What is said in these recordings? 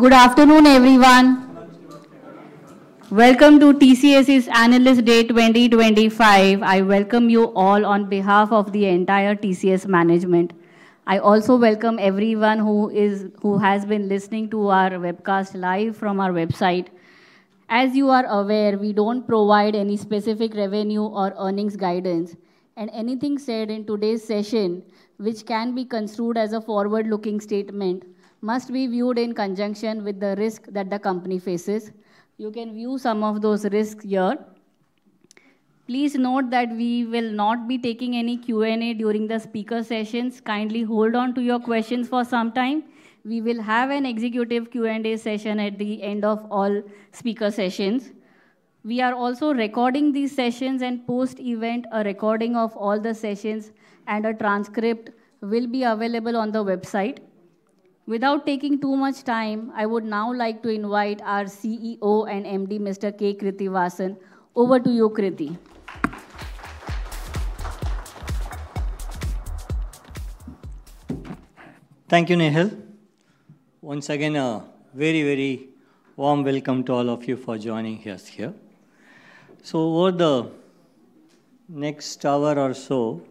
Good afternoon, everyone. Welcome to TCS's Analyst Day 2025. I welcome you all on behalf of the entire TCS management. I also welcome everyone who has been listening to our webcast live from our website. As you are aware, we don't provide any specific revenue or earnings guidance, and anything said in today's session, which can be construed as a forward-looking statement, must be viewed in conjunction with the risk that the company faces. You can view some of those risks here. Please note that we will not be taking any Q&A during the speaker sessions. Kindly hold on to your questions for some time. We will have an executive Q&A session at the end of all speaker sessions. We are also recording these sessions, and post-event, a recording of all the sessions and a transcript will be available on the website. Without taking too much time, I would now like to invite our CEO and MD, Mr. K. Krithivasan, over to you, Krithi. Thank you, Nehal. Once again, a very, very warm welcome to all of you for joining us here. So over the next hour or so,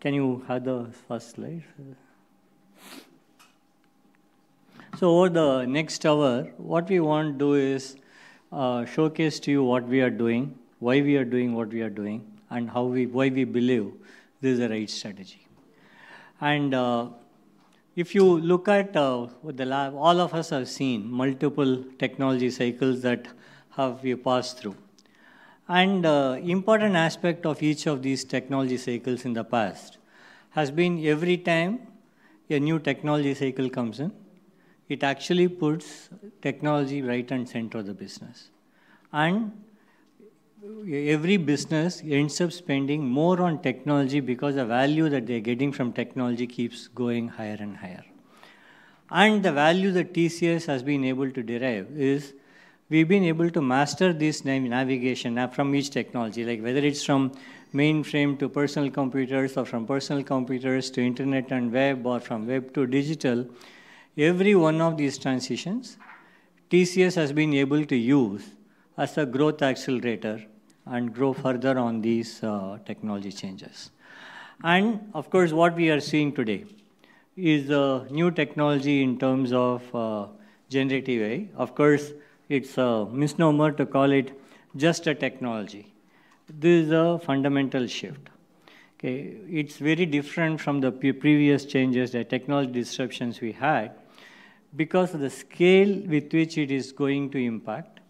can you have the first slide? So over the next hour, what we want to do is showcase to you what we are doing, why we are doing what we are doing, and why we believe this is the right strategy, and if you look at what all of us have seen, multiple technology cycles that have passed through, and the important aspect of each of these technology cycles in the past has been, every time a new technology cycle comes in, it actually puts technology right in the center of the business, and every business ends up spending more on technology because the value that they're getting from technology keeps going higher and higher. And the value that TCS has been able to derive is we've been able to master this navigation from each technology, like whether it's from mainframe to personal computers or from personal computers to internet and web or from web to digital. Every one of these transitions, TCS has been able to use as a growth accelerator and grow further on these technology changes. And of course, what we are seeing today is a new technology in terms of generative AI. Of course, it's a misnomer to call it just a technology. This is a fundamental shift. It's very different from the previous changes that technology disruptions we had because of the scale with which it is going to impact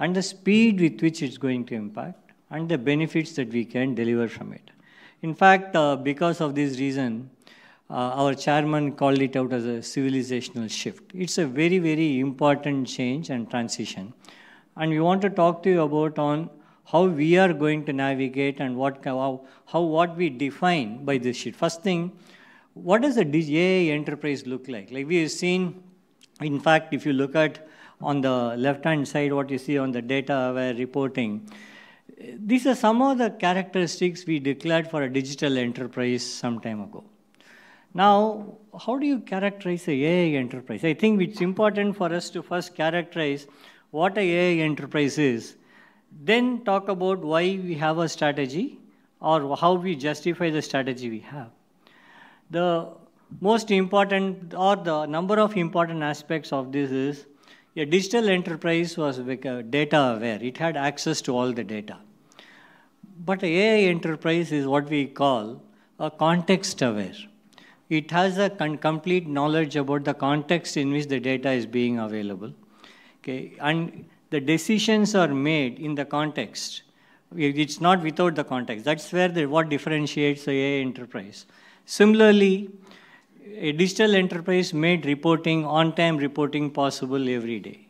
and the speed with which it's going to impact and the benefits that we can deliver from it. In fact, because of this reason, our chairman called it out as a civilizational shift. It's a very, very important change and transition. And we want to talk to you about how we are going to navigate and what we define by this shift. First thing, what does a digital enterprise look like? Like we have seen, in fact, if you look at on the left-hand side, what you see on the data we're reporting, these are some of the characteristics we declared for a digital enterprise some time ago. Now, how do you characterize an AI enterprise? I think it's important for us to first characterize what an AI enterprise is, then talk about why we have a strategy or how we justify the strategy we have. The most important or the number of important aspects of this is a digital enterprise was data-aware. It had access to all the data. But an AI enterprise is what we call context-aware. It has a complete knowledge about the context in which the data is being available. And the decisions are made in the context. It's not without the context. That's where what differentiates an AI enterprise. Similarly, a digital enterprise made reporting, on-time reporting possible every day.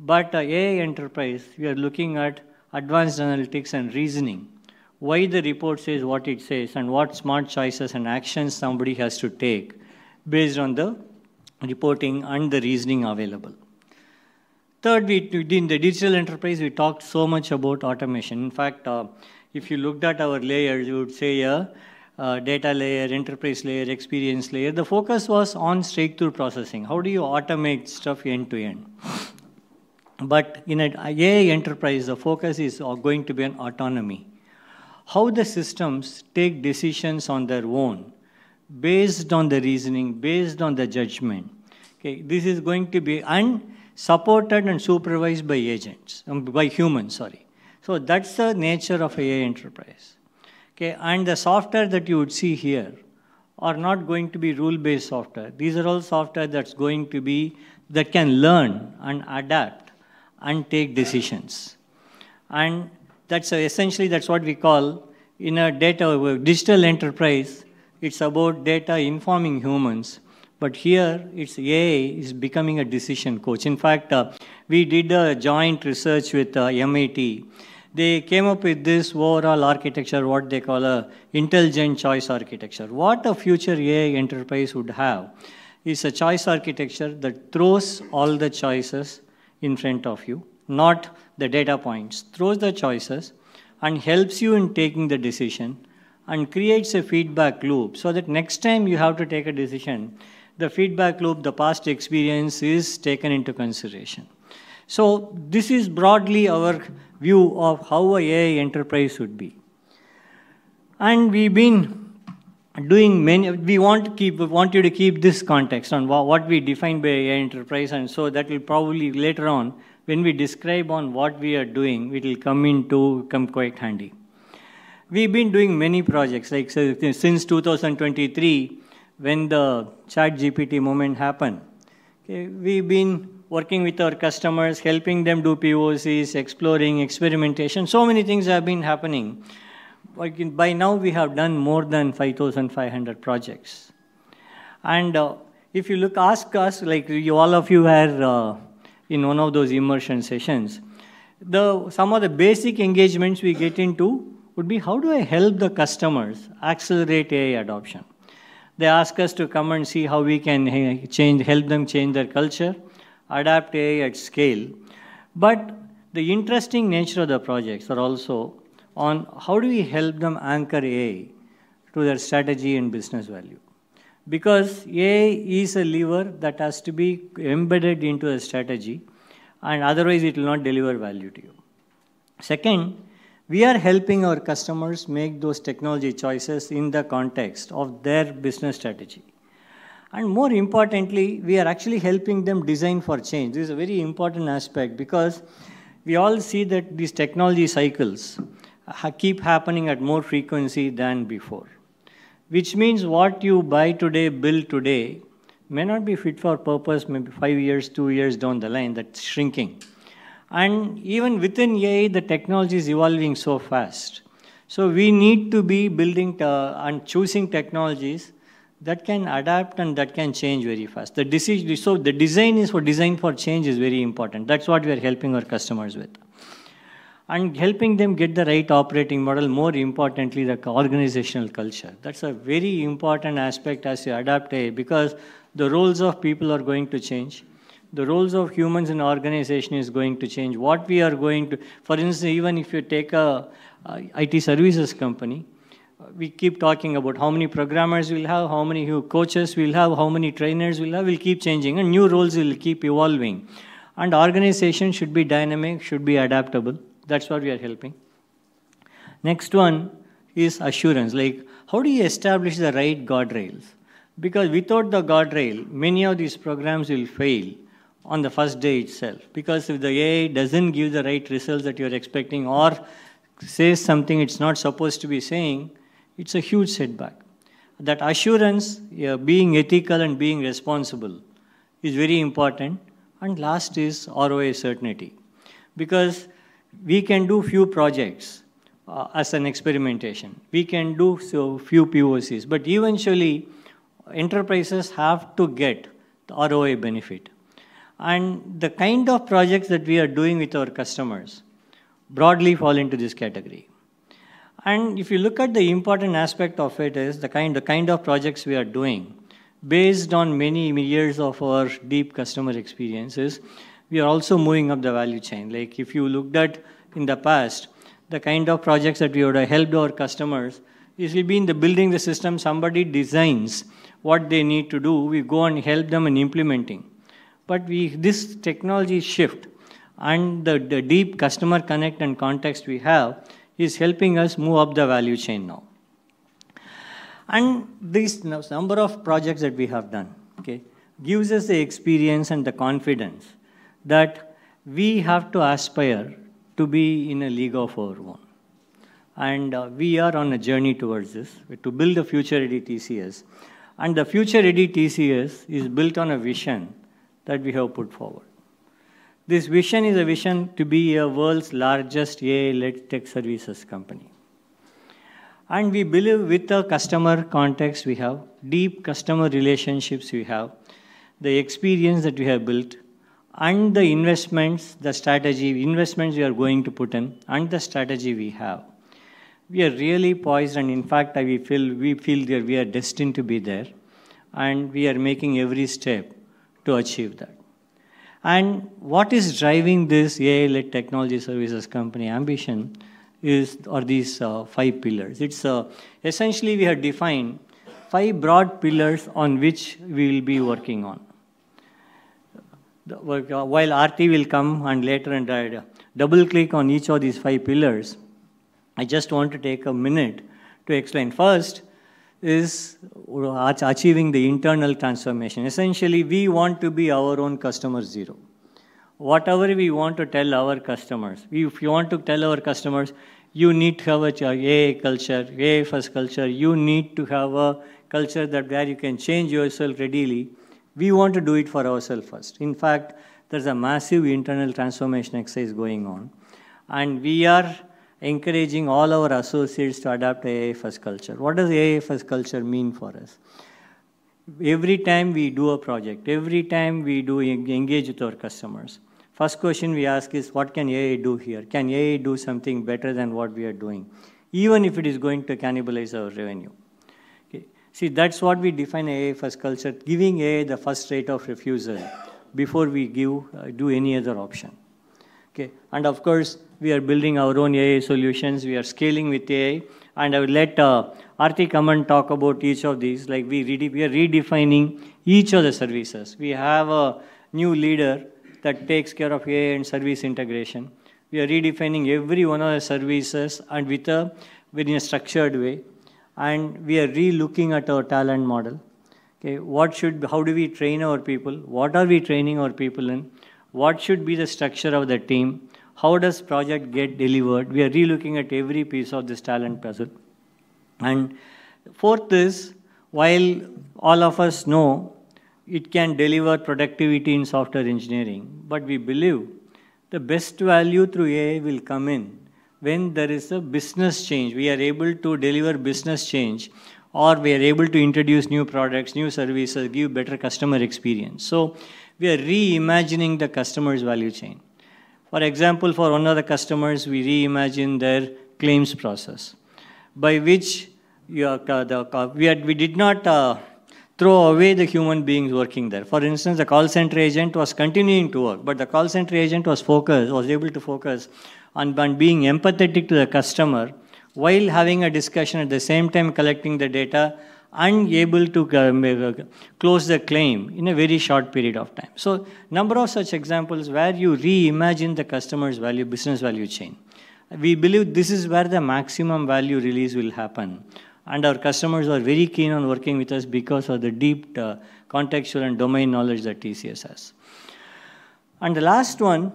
But an AI enterprise, we are looking at advanced analytics and reasoning, why the report says what it says and what smart choices and actions somebody has to take based on the reporting and the reasoning available. Third, in the digital enterprise, we talked so much about automation. In fact, if you looked at our layers, you would say data layer, enterprise layer, experience layer. The focus was on straight-through processing. How do you automate stuff end-to-end? But in an AI enterprise, the focus is going to be on autonomy, how the systems take decisions on their own based on the reasoning, based on the judgment. This is going to be supported and supervised by agents, by humans, sorry. So that's the nature of an AI enterprise. And the software that you would see here are not going to be rule-based software. These are all software that's going to be that can learn and adapt and take decisions. And essentially, that's what we call in a data digital enterprise, it's about data informing humans. But here, it's AI is becoming a decision coach. In fact, we did a joint research with MIT. They came up with this overall architecture, what they call an intelligent choice architecture. What a future AI enterprise would have is a choice architecture that throws all the choices in front of you, not the data points, throws the choices and helps you in taking the decision and creates a feedback loop so that next time you have to take a decision, the feedback loop, the past experience is taken into consideration. So this is broadly our view of how an AI enterprise should be. And we've been doing many, we want you to keep this context on what we define by AI enterprise. And so that will probably later on, when we describe on what we are doing, it will come in to come quite handy. We've been doing many projects. Since 2023, when the ChatGPT moment happened, we've been working with our customers, helping them do POCs, exploring experimentation. So many things have been happening. By now, we have done more than 5,500 projects, and if you look, ask us, like all of you are in one of those immersion sessions, some of the basic engagements we get into would be, how do I help the customers accelerate AI adoption? They ask us to come and see how we can help them change their culture, adapt AI at scale, but the interesting nature of the projects are also on how do we help them anchor AI to their strategy and business value? Because AI is a lever that has to be embedded into a strategy, and otherwise, it will not deliver value to you. Second, we are helping our customers make those technology choices in the context of their business strategy, and more importantly, we are actually helping them design for change. This is a very important aspect because we all see that these technology cycles keep happening at more frequency than before, which means what you buy today, build today may not be fit for purpose maybe five years, two years down the line that's shrinking, and even within AI, the technology is evolving so fast, so we need to be building and choosing technologies that can adapt and that can change very fast, so the design is for design for change is very important. That's what we are helping our customers with, and helping them get the right operating model, more importantly, the organizational culture. That's a very important aspect as you adapt AI because the roles of people are going to change. The roles of humans in organization is going to change. What we are going to, for instance, even if you take an IT services company, we keep talking about how many programmers we'll have, how many coaches we'll have, how many trainers we'll have. We'll keep changing. And new roles will keep evolving. An organization should be dynamic, should be adaptable. That's what we are helping. Next one is assurance. How do you establish the right guardrails? Because without the guardrail, many of these programs will fail on the first day itself. Because if the AI doesn't give the right results that you're expecting or says something it's not supposed to be saying, it's a huge setback. That assurance, being ethical and being responsible, is very important. And last is ROI certainty. Because we can do few projects as an experimentation. We can do few POCs. But eventually, enterprises have to get the ROI benefit. And the kind of projects that we are doing with our customers broadly fall into this category. And if you look at the important aspect of it is the kind of projects we are doing based on many years of our deep customer experiences, we are also moving up the value chain. Like if you looked at in the past, the kind of projects that we would have helped our customers is we've been building the system, somebody designs what they need to do, we go and help them in implementing. But this technology shift and the deep customer connect and context we have is helping us move up the value chain now. And this number of projects that we have done gives us the experience and the confidence that we have to aspire to be in a league of our own. And we are on a journey towards this to build a future-ready TCS. The future-ready TCS is built on a vision that we have put forward. This vision is a vision to be the world's largest AI-led tech services company. We believe with the customer context we have, deep customer relationships we have, the experience that we have built, and the investments, the strategy investments we are going to put in and the strategy we have, we are really poised and in fact, we feel that we are destined to be there. We are making every step to achieve that. What is driving this AI-led technology services company ambition is these five pillars. Essentially, we have defined five broad pillars on which we will be working on. While Aarthi will come later and double-click on each of these five pillars, I just want to take a minute to explain. First is achieving the internal transformation. Essentially, we want to be our own customer zero. Whatever we want to tell our customers, if you want to tell our customers, you need to have an AI culture, AI-first culture. You need to have a culture that where you can change yourself readily. We want to do it for ourselves first. In fact, there's a massive internal transformation exercise going on, and we are encouraging all our associates to adopt AI-first culture. What does AI-first culture mean for us? Every time we do a project, every time we engage with our customers, first question we ask is, what can AI do here? Can AI do something better than what we are doing, even if it is going to cannibalize our revenue? See, that's what we define AI-first culture, giving AI the first right of refusal before we do any other option. And of course, we are building our own AI solutions. We are scaling with AI. And I would let Aarthi come and talk about each of these. We are redefining each of the services. We have a new leader that takes care of AI and service integration. We are redefining every one of the services and within a structured way. And we are re-looking at our talent model. How do we train our people? What are we training our people in? What should be the structure of the team? How does project get delivered? We are re-looking at every piece of this talent puzzle. And fourth is, while all of us know it can deliver productivity in software engineering, but we believe the best value through AI will come in when there is a business change. We are able to deliver business change or we are able to introduce new products, new services, give better customer experience. So we are re-imagining the customer's value chain. For example, for one of the customers, we re-imagine their claims process by which we did not throw away the human beings working there. For instance, the call center agent was continuing to work, but the call center agent was able to focus on being empathetic to the customer while having a discussion at the same time collecting the data and able to close the claim in a very short period of time. So a number of such examples where you re-imagine the customer's business value chain. We believe this is where the maximum value release will happen. Our customers are very keen on working with us because of the deep contextual and domain knowledge that TCS has. The last one,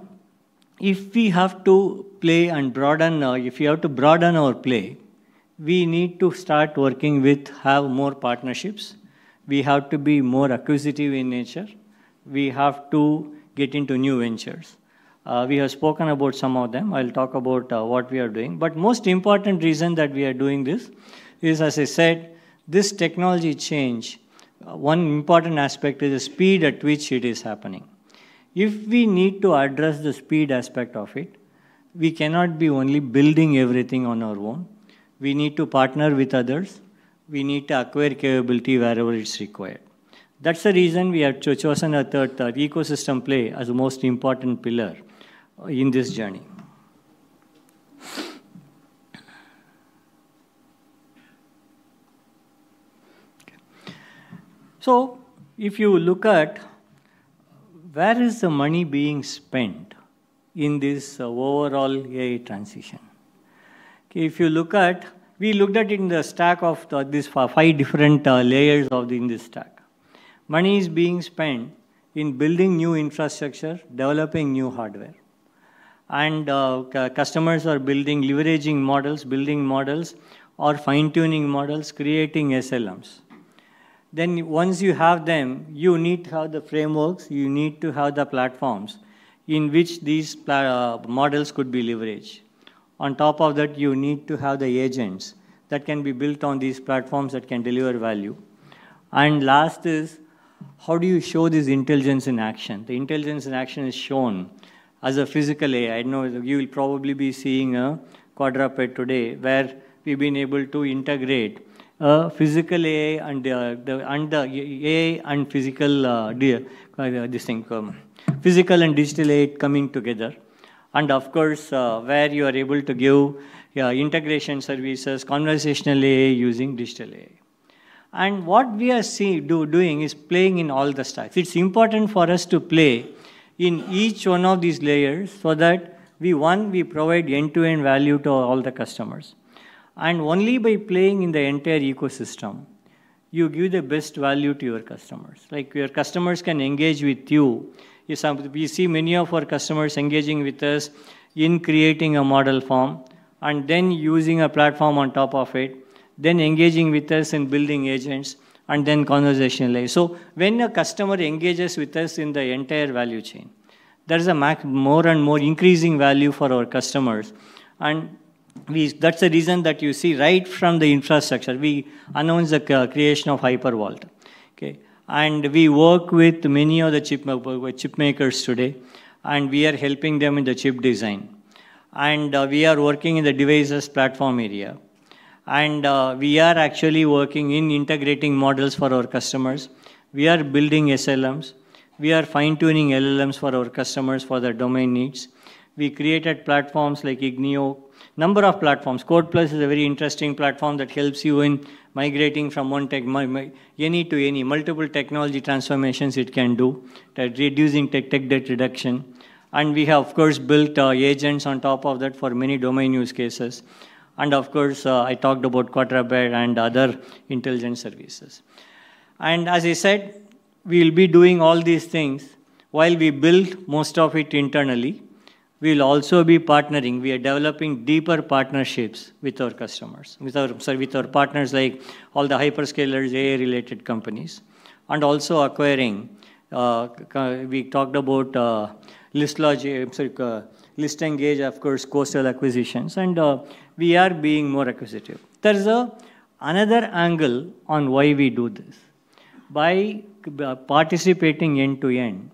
if we have to broaden our play, we need to start working to have more partnerships. We have to be more acquisitive in nature. We have to get into new ventures. We have spoken about some of them. I'll talk about what we are doing. The most important reason that we are doing this is, as I said, this technology change. One important aspect is the speed at which it is happening. If we need to address the speed aspect of it, we cannot be only building everything on our own. We need to partner with others. We need to acquire capability wherever it's required. That's the reason we have chosen the ecosystem play as the most important pillar in this journey. So if you look at where is the money being spent in this overall AI transition? If you look at, we looked at it in the stack of these five different layers of the stack. Money is being spent in building new infrastructure, developing new hardware. And customers are building, leveraging models, building models or fine-tuning models, creating SLMs. Then once you have them, you need to have the frameworks. You need to have the platforms in which these models could be leveraged. On top of that, you need to have the agents that can be built on these platforms that can deliver value. And last is, how do you show this intelligence in action? The intelligence in action is shown as a physical AI. You will probably be seeing a quadruped today where we've been able to integrate a physical AI and AI and physical, physical and digital AI coming together. Of course, where you are able to give integration services, conversational AI using digital AI. What we are doing is playing in all the stack. It's important for us to play in each one of these layers so that we, one, we provide end-to-end value to all the customers. Only by playing in the entire ecosystem, you give the best value to your customers. Like your customers can engage with you. We see many of our customers engaging with us in creating a model form and then using a platform on top of it, then engaging with us in building agents and then conversational AI. So when a customer engages with us in the entire value chain, there's a more and more increasing value for our customers, and that's the reason that you see right from the infrastructure. We announced the creation of Cyber Vault. We work with many of the chipmakers today, and we are helping them in the chip design. We are working in the devices platform area. We are actually working in integrating models for our customers. We are building SLMs. We are fine-tuning LLMs for our customers for their domain needs. We created platforms like ignio, a number of platforms. CodePlus is a very interesting platform that helps you in migrating from one tech any to any multiple technology transformations it can do, reducing tech debt. We have, of course, built agents on top of that for many domain use cases. Of course, I talked about quadruped and other intelligence services. As I said, we'll be doing all these things while we build most of it internally. We'll also be partnering. We are developing deeper partnerships with our customers, with our partners like all the hyperscalers, AI-related companies, and also acquiring. We talked about ListEngage, of course, Coastal Cloud acquisitions. We are being more acquisitive. There's another angle on why we do this. By participating end-to-end,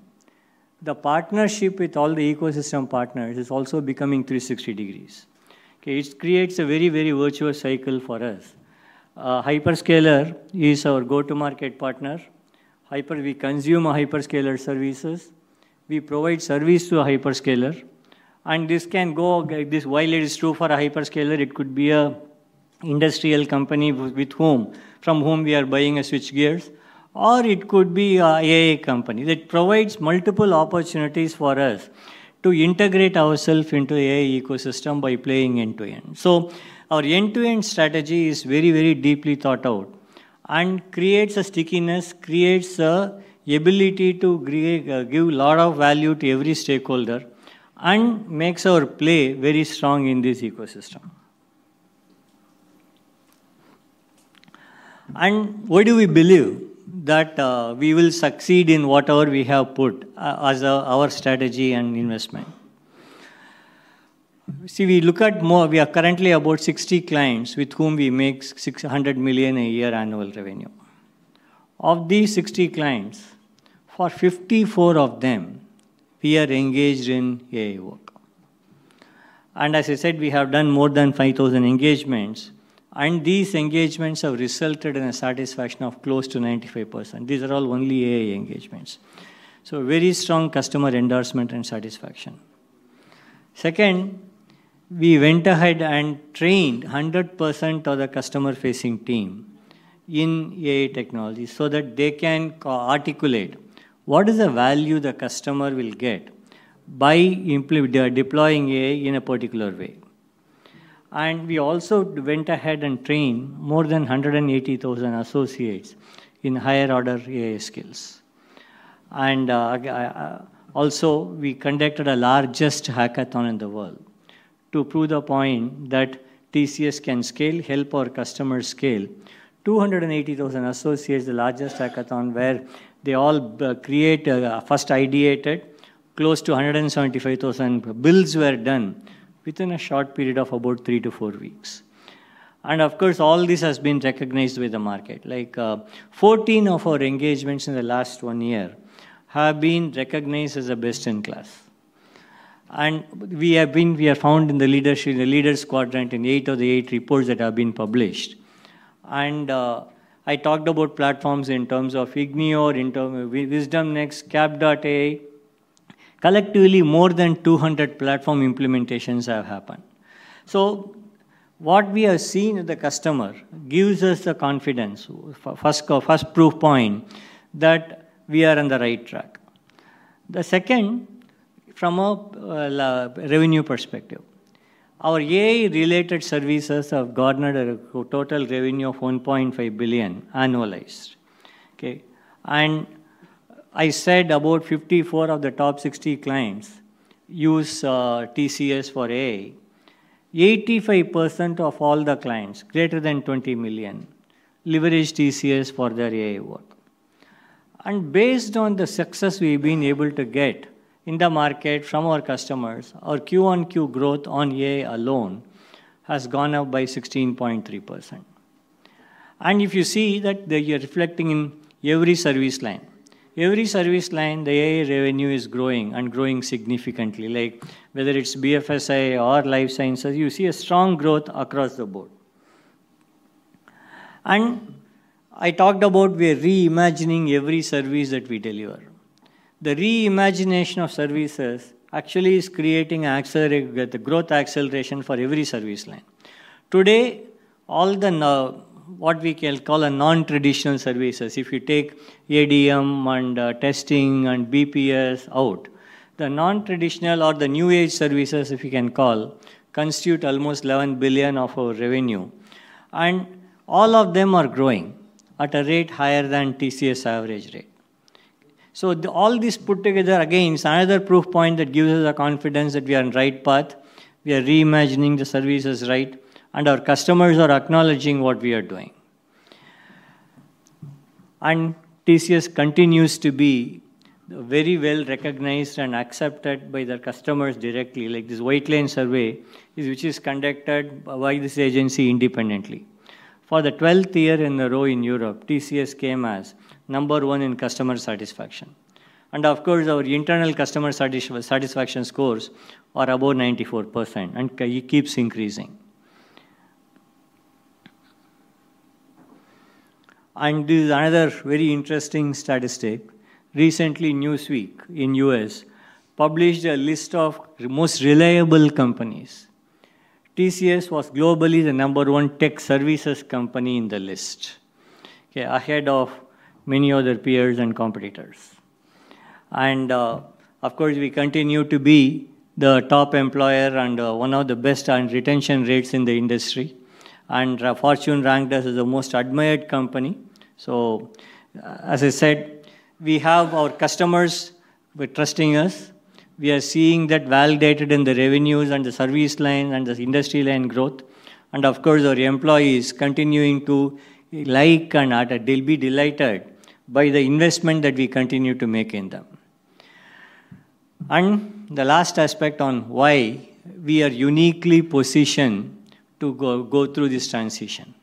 the partnership with all the ecosystem partners is also becoming 360 degrees. It creates a very, very virtuous cycle for us. Hyperscaler is our go-to-market partner. We consume hyperscaler services. We provide service to a hyperscaler. This can go like this while it is true for a hyperscaler, it could be an industrial company from whom we are buying switch gears, or it could be an AI company that provides multiple opportunities for us to integrate ourselves into the AI ecosystem by playing end-to-end. Our end-to-end strategy is very, very deeply thought out and creates a stickiness, creates the ability to give a lot of value to every stakeholder, and makes our play very strong in this ecosystem. What do we believe that we will succeed in whatever we have put as our strategy and investment? See, we look at more we are currently about 60 clients with whom we make $600 million a year annual revenue. Of these 60 clients, for 54 of them, we are engaged in AI work. As I said, we have done more than 5,000 engagements. These engagements have resulted in a satisfaction of close to 95%. These are all only AI engagements. So very strong customer endorsement and satisfaction. Second, we went ahead and trained 100% of the customer-facing team in AI technology so that they can articulate what is the value the customer will get by deploying AI in a particular way. We also went ahead and trained more than 180,000 associates in higher-order AI skills. We also conducted the largest hackathon in the world to prove the point that TCS can scale, help our customers scale. 280,000 associates, the largest hackathon where they all created first ideated, close to 175,000 builds were done within a short period of about three to four weeks. Of course, all this has been recognized with the market. Like 14 of our engagements in the last one year have been recognized as best-in-class, and we are found in the leaders' quadrant in eight of the eight reports that have been published. And I talked about platforms in terms of ignio, WisdomNext, CapDot AI. Collectively, more than 200 platform implementations have happened, so what we have seen at the customer gives us the confidence, first proof point that we are on the right track. The second, from a revenue perspective, our AI-related services have garnered a total revenue of $1.5 billion annualized. And I said about 54 of the top 60 clients use TCS for AI. 85% of all the clients, greater than 20 million, leverage TCS for their AI work. Based on the success we've been able to get in the market from our customers, our Q on Q growth on AI alone has gone up by 16.3%. If you see that is reflecting in every service line, every service line, the AI revenue is growing and growing significantly. Like whether it's BFSI or life sciences, you see a strong growth across the board. I talked about we are reimagining every service that we deliver. The reimagination of services actually is creating the growth acceleration for every service line. Today, all the what we can call non-traditional services, if you take ADM and testing and BPS out, the non-traditional or the new age services, if you can call, constitute almost $11 billion of our revenue. All of them are growing at a rate higher than TCS average rate. All this put together again is another proof point that gives us the confidence that we are on the right path. We are reimagining the services, right? Our customers are acknowledging what we are doing. TCS continues to be very well recognized and accepted by their customers directly. Like this Whitelane survey, which is conducted by an independent agency. For the 12th year in a row in Europe, TCS came as number one in customer satisfaction. Of course, our internal customer satisfaction scores are above 94% and keep increasing. This is another very interesting statistic. Recently, Newsweek in the U.S. published a list of most reliable companies. TCS was globally the number one tech services company in the list, ahead of many other peers and competitors. And of course, we continue to be the top employer and one of the best on retention rates in the industry. And Fortune ranked us as the most admired company. So as I said, we have our customers trusting us. We are seeing that validated in the revenues and the service lines and the industry line growth. And of course, our employees continuing to like and they'll be delighted by the investment that we continue to make in them. And the last aspect on why we are uniquely positioned to go through this transition.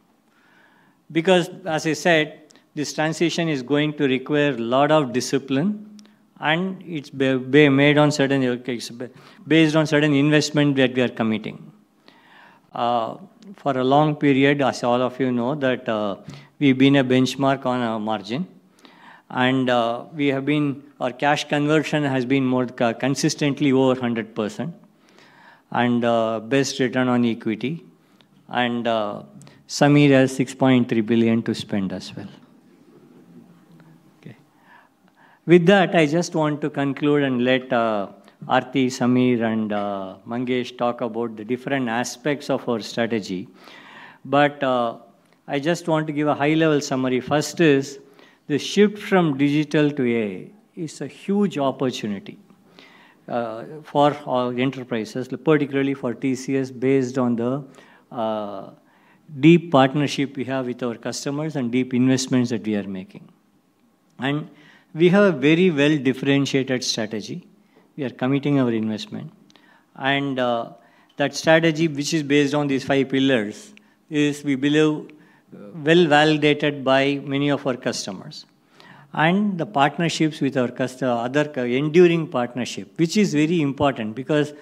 Because as I said, this transition is going to require a lot of discipline and it's based on certain investment that we are committing. For a long period, as all of you know, that we've been a benchmark on our margin. And we have been our cash conversion has been more consistently over 100% and best return on equity. And Samir has $6.3 billion to spend as well. With that, I just want to conclude and let Aarthi, Samir, and Mangesh talk about the different aspects of our strategy. But I just want to give a high-level summary. First is the shift from digital to AI is a huge opportunity for our enterprises, particularly for TCS, based on the deep partnership we have with our customers and deep investments that we are making. And we have a very well-differentiated strategy. We are committing our investment. And that strategy, which is based on these five pillars, is, we believe, well validated by many of our customers. And the partnerships with our other enduring partnership, which is very important because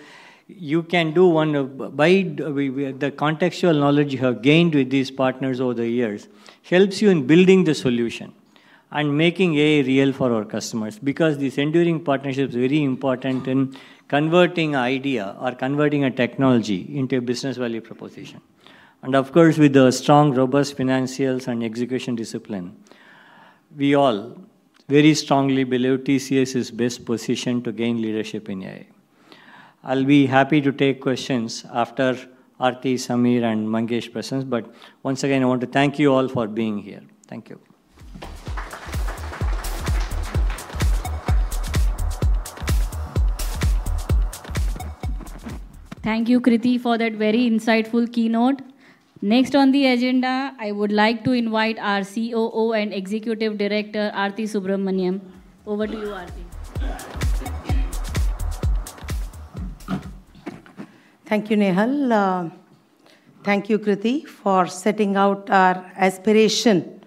you can do one by the contextual knowledge you have gained with these partners over the years, helps you in building the solution and making AI real for our customers because this enduring partnership is very important in converting an idea or converting a technology into a business value proposition. And of course, with the strong, robust financials and execution discipline, we all very strongly believe TCS is best positioned to gain leadership in AI. I'll be happy to take questions after Aarthi, Samir, and Mangesh's presentations. But once again, I want to thank you all for being here. Thank you. Thank you, Krithi, for that very insightful keynote. Next on the agenda, I would like to invite our COO and Executive Director, Aarthi Subramanian. Over to you, Aarthi. Thank you, Nehal. Thank you, Krithi, for setting out our aspiration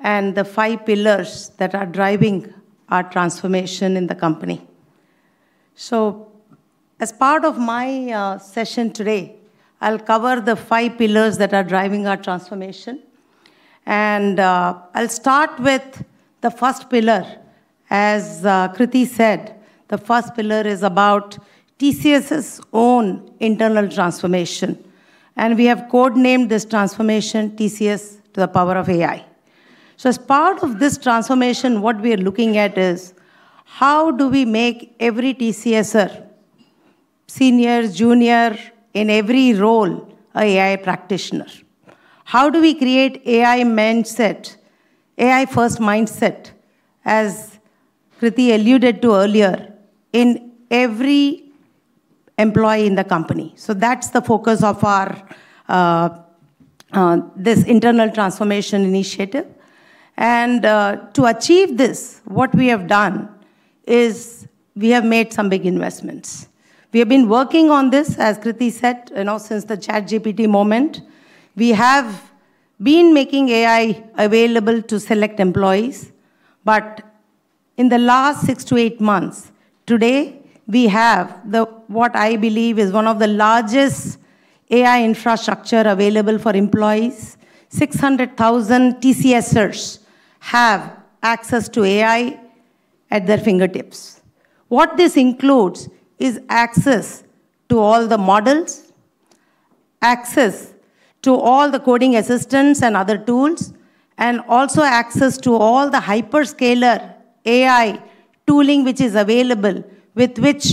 and the five pillars that are driving our transformation in the company. So as part of my session today, I'll cover the five pillars that are driving our transformation. And I'll start with the first pillar. As Krithi said, the first pillar is about TCS's own internal transformation. And we have codenamed this transformation TCS to the power of AI. So as part of this transformation, what we are looking at is how do we make every TCSer, senior, junior, in every role, an AI practitioner? How do we create an AI mindset, AI-first mindset, as Krithi alluded to earlier, in every employee in the company? So that's the focus of this internal transformation initiative. And to achieve this, what we have done is we have made some big investments. We have been working on this, as Krithi said, since the ChatGPT moment. We have been making AI available to select employees. But in the last six to eight months, today, we have what I believe is one of the largest AI infrastructures available for employees. 600,000 TCSers have access to AI at their fingertips. What this includes is access to all the models, access to all the coding assistants and other tools, and also access to all the hyperscaler AI tooling which is available with which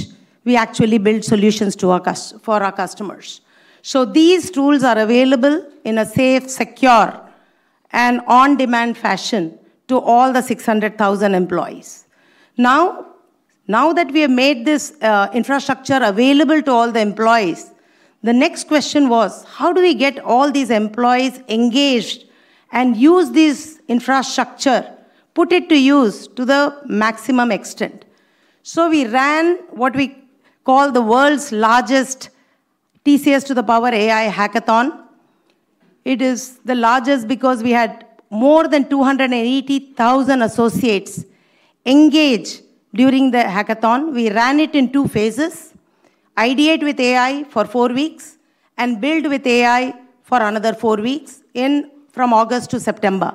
we actually build solutions for our customers. So these tools are available in a safe, secure, and on-demand fashion to all the 600,000 employees. Now that we have made this infrastructure available to all the employees, the next question was, how do we get all these employees engaged and use this infrastructure, put it to use to the maximum extent? So we ran what we call the world's largest TCS to the power AI hackathon. It is the largest because we had more than 280,000 associates engaged during the hackathon. We ran it in two phases: ideate with AI for four weeks and build with AI for another four weeks from August to September.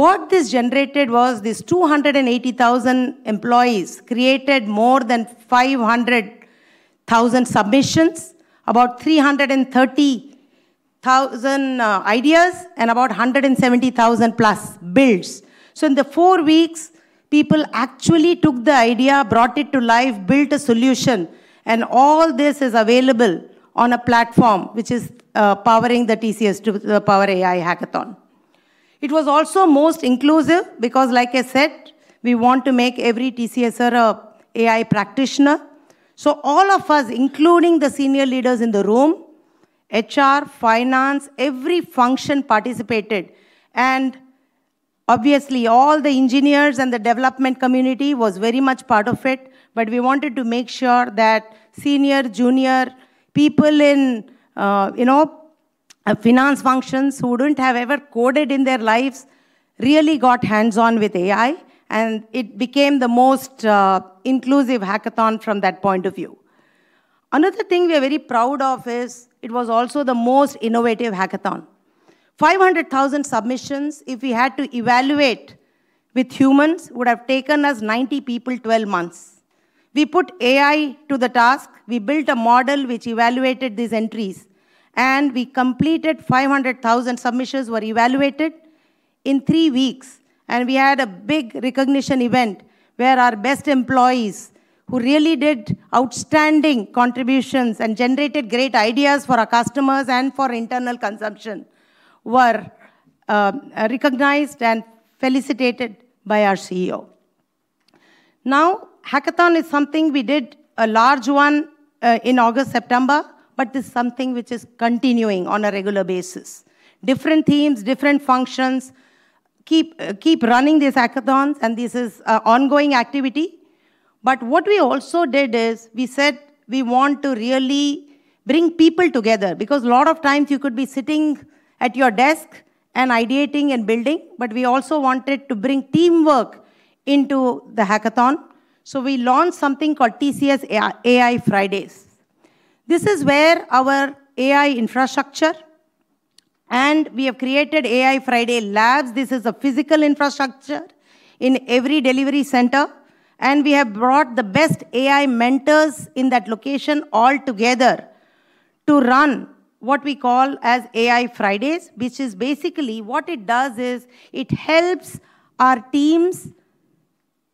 What this generated was these 280,000 employees created more than 500,000 submissions, about 330,000 ideas, and about 170,000 plus builds. So in the four weeks, people actually took the idea, brought it to life, built a solution. And all this is available on a platform which is powering the TCS to the power AI hackathon. It was also most inclusive because, like I said, we want to make every TCSer an AI practitioner. So all of us, including the senior leaders in the room, HR, finance, every function participated. Obviously, all the engineers and the development community was very much part of it. But we wanted to make sure that senior, junior people in finance functions who didn't have ever coded in their lives really got hands-on with AI. And it became the most inclusive hackathon from that point of view. Another thing we are very proud of is it was also the most innovative hackathon. 500,000 submissions, if we had to evaluate with humans, would have taken us 90 people, 12 months. We put AI to the task. We built a model which evaluated these entries. And we completed. 500,000 submissions were evaluated in three weeks. And we had a big recognition event where our best employees who really did outstanding contributions and generated great ideas for our customers and for internal consumption were recognized and felicitated by our CEO. Now, hackathon is something we did, a large one in August, September, but it's something which is continuing on a regular basis. Different themes, different functions, keep running these hackathons, and this is an ongoing activity. But what we also did is we said we want to really bring people together because a lot of times you could be sitting at your desk and ideating and building, but we also wanted to bring teamwork into the hackathon. So we launched something called TCS AI Fridays. This is where our AI infrastructure and we have created AI Friday labs. This is a physical infrastructure in every delivery center. And we have brought the best AI mentors in that location all together to run what we call AI Fridays, which is basically what it does is it helps our teams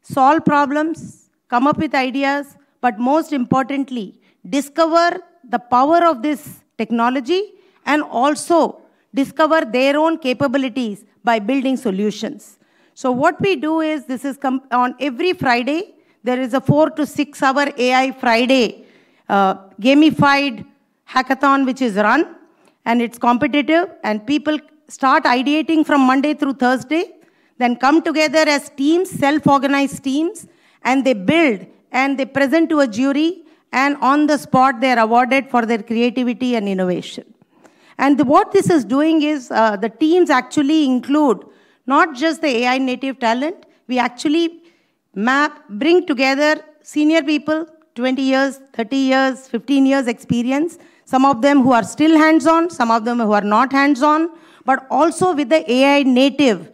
solve problems, come up with ideas, but most importantly, discover the power of this technology and also discover their own capabilities by building solutions. So what we do is this is on every Friday, there is a four- to six-hour AI Friday gamified hackathon which is run. And it's competitive. And people start ideating from Monday through Thursday, then come together as teams, self-organized teams, and they build and they present to a jury. And on the spot, they are awarded for their creativity and innovation. And what this is doing is the teams actually include not just the AI-native talent. We actually bring together senior people, 20 years, 30 years, 15 years experience, some of them who are still hands-on, some of them who are not hands-on, but also with the AI-native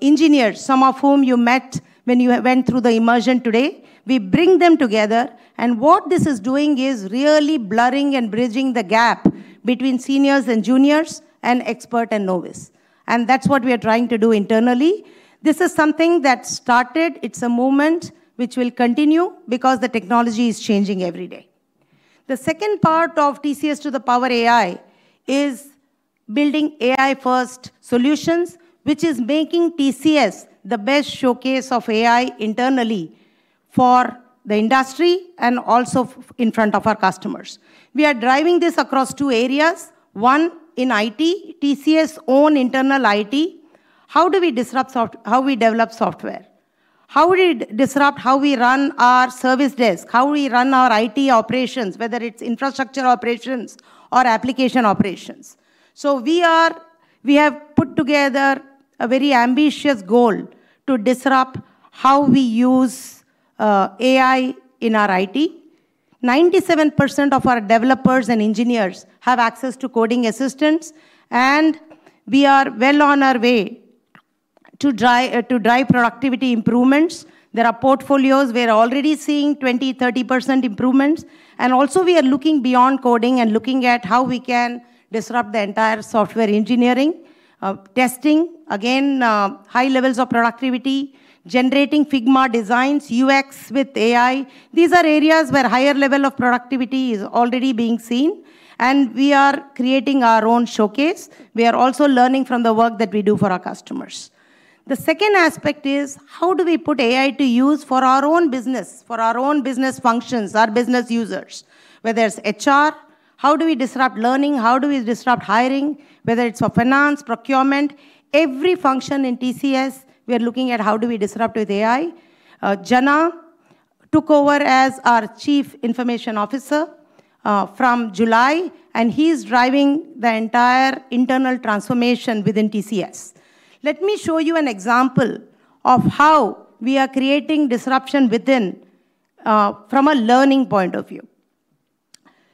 engineers, some of whom you met when you went through the immersion today. We bring them together. And what this is doing is really blurring and bridging the gap between seniors and juniors and expert and novice. And that's what we are trying to do internally. This is something that started. It's a moment which will continue because the technology is changing every day. The second part of TCS to the power AI is building AI-first solutions, which is making TCS the best showcase of AI internally for the industry and also in front of our customers. We are driving this across two areas. One in IT, TCS own internal IT. How do we disrupt how we develop software? How do we disrupt how we run our service desk? How do we run our IT operations, whether it's infrastructure operations or application operations? So we have put together a very ambitious goal to disrupt how we use AI in our IT. 97% of our developers and engineers have access to coding assistants. And we are well on our way to drive productivity improvements. There are portfolios where we are already seeing 20%, 30% improvements. And also, we are looking beyond coding and looking at how we can disrupt the entire software engineering, testing, again, high levels of productivity, generating Figma designs, UX with AI. These are areas where a higher level of productivity is already being seen. And we are creating our own showcase. We are also learning from the work that we do for our customers. The second aspect is how do we put AI to use for our own business, for our own business functions, our business users, whether it's HR, how do we disrupt learning, how do we disrupt hiring, whether it's for finance, procurement, every function in TCS, we are looking at how do we disrupt with AI. Jana took over as our Chief Information Officer from July, and he's driving the entire internal transformation within TCS. Let me show you an example of how we are creating disruption from a learning point of view,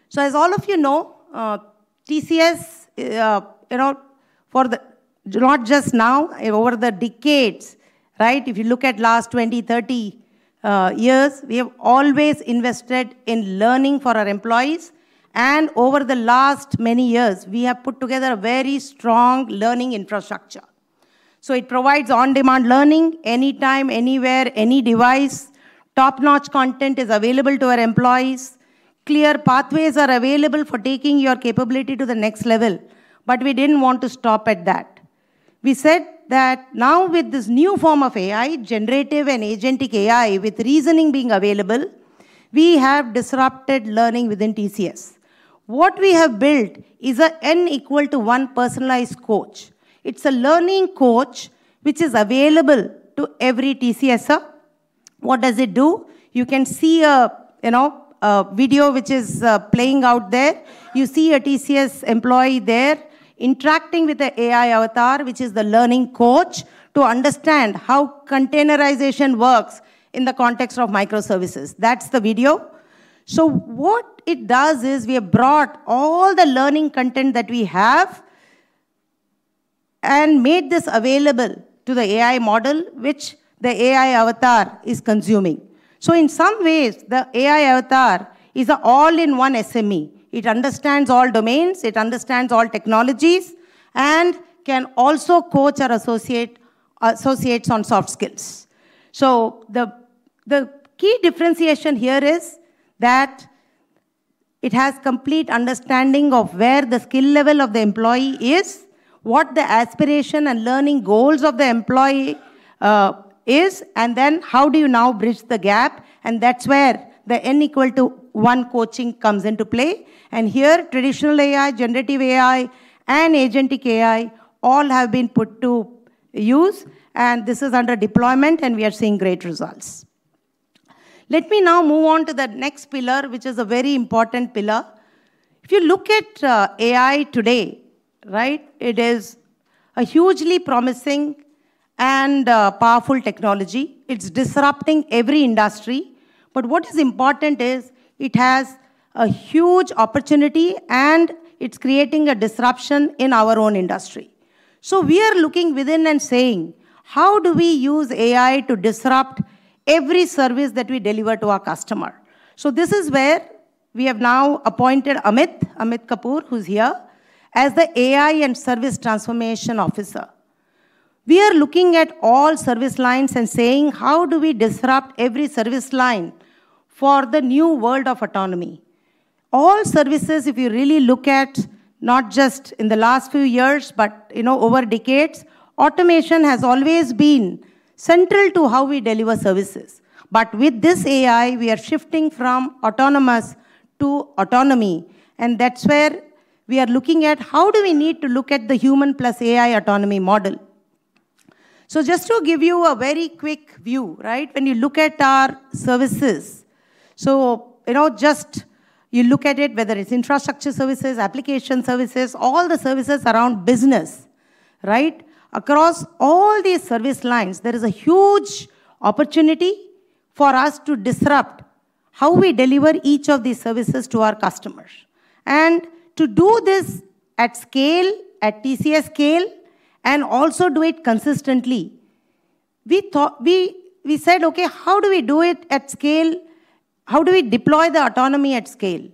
so as all of you know, TCS, not just now, over the decades, right? If you look at the last 20, 30 years, we have always invested in learning for our employees, and over the last many years, we have put together a very strong learning infrastructure, so it provides on-demand learning anytime, anywhere, any device. Top-notch content is available to our employees. Clear pathways are available for taking your capability to the next level. But we didn't want to stop at that. We said that now with this new form of AI, generative and agentic AI, with reasoning being available, we have disrupted learning within TCS. What we have built is an N equal to one personalized coach. It's a learning coach which is available to every TCSer. What does it do? You can see a video which is playing out there. You see a TCS employee there interacting with the AI avatar, which is the learning coach, to understand how containerization works in the context of microservices. That's the video. So what it does is we have brought all the learning content that we have and made this available to the AI model, which the AI avatar is consuming. So in some ways, the AI avatar is an all-in-one SME. It understands all domains. It understands all technologies and can also coach our associates on soft skills. So the key differentiation here is that it has complete understanding of where the skill level of the employee is, what the aspiration and learning goals of the employee are, and then how do you now bridge the gap. And that's where the N equal to one coaching comes into play. And here, traditional AI, generative AI, and agentic AI all have been put to use. And this is under deployment, and we are seeing great results. Let me now move on to the next pillar, which is a very important pillar. If you look at AI today, right, it is a hugely promising and powerful technology. It's disrupting every industry. But what is important is it has a huge opportunity, and it's creating a disruption in our own industry. So we are looking within and saying, how do we use AI to disrupt every service that we deliver to our customer? So this is where we have now appointed Amit Kapoor, who's here, as the AI and Service Transformation Officer. We are looking at all service lines and saying, how do we disrupt every service line for the new world of autonomy? All services, if you really look at not just in the last few years, but over decades, automation has always been central to how we deliver services. But with this AI, we are shifting from autonomous to autonomy. And that's where we are looking at how do we need to look at the human plus AI autonomy model. So just to give you a very quick view, right, when you look at our services, whether it's infrastructure services, application services, all the services around business, right, across all these service lines, there is a huge opportunity for us to disrupt how we deliver each of these services to our customers. And to do this at scale, at TCS scale, and also do it consistently, we said, okay, how do we do it at scale? How do we deploy the autonomy at scale?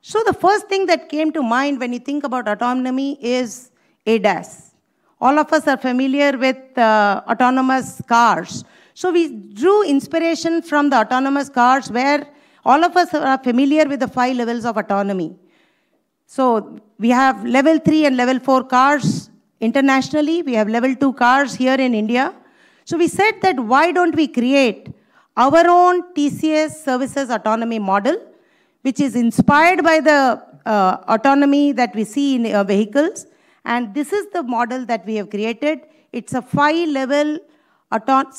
So the first thing that came to mind when you think about autonomy is ADAS. All of us are familiar with autonomous cars. So we drew inspiration from the autonomous cars where all of us are familiar with the five levels of autonomy. So we have Level 3 and Level 4 cars internationally. We have Level 2 cars here in India. So we said that why don't we create our own TCS services autonomy model, which is inspired by the autonomy that we see in vehicles. And this is the model that we have created. It's a five-level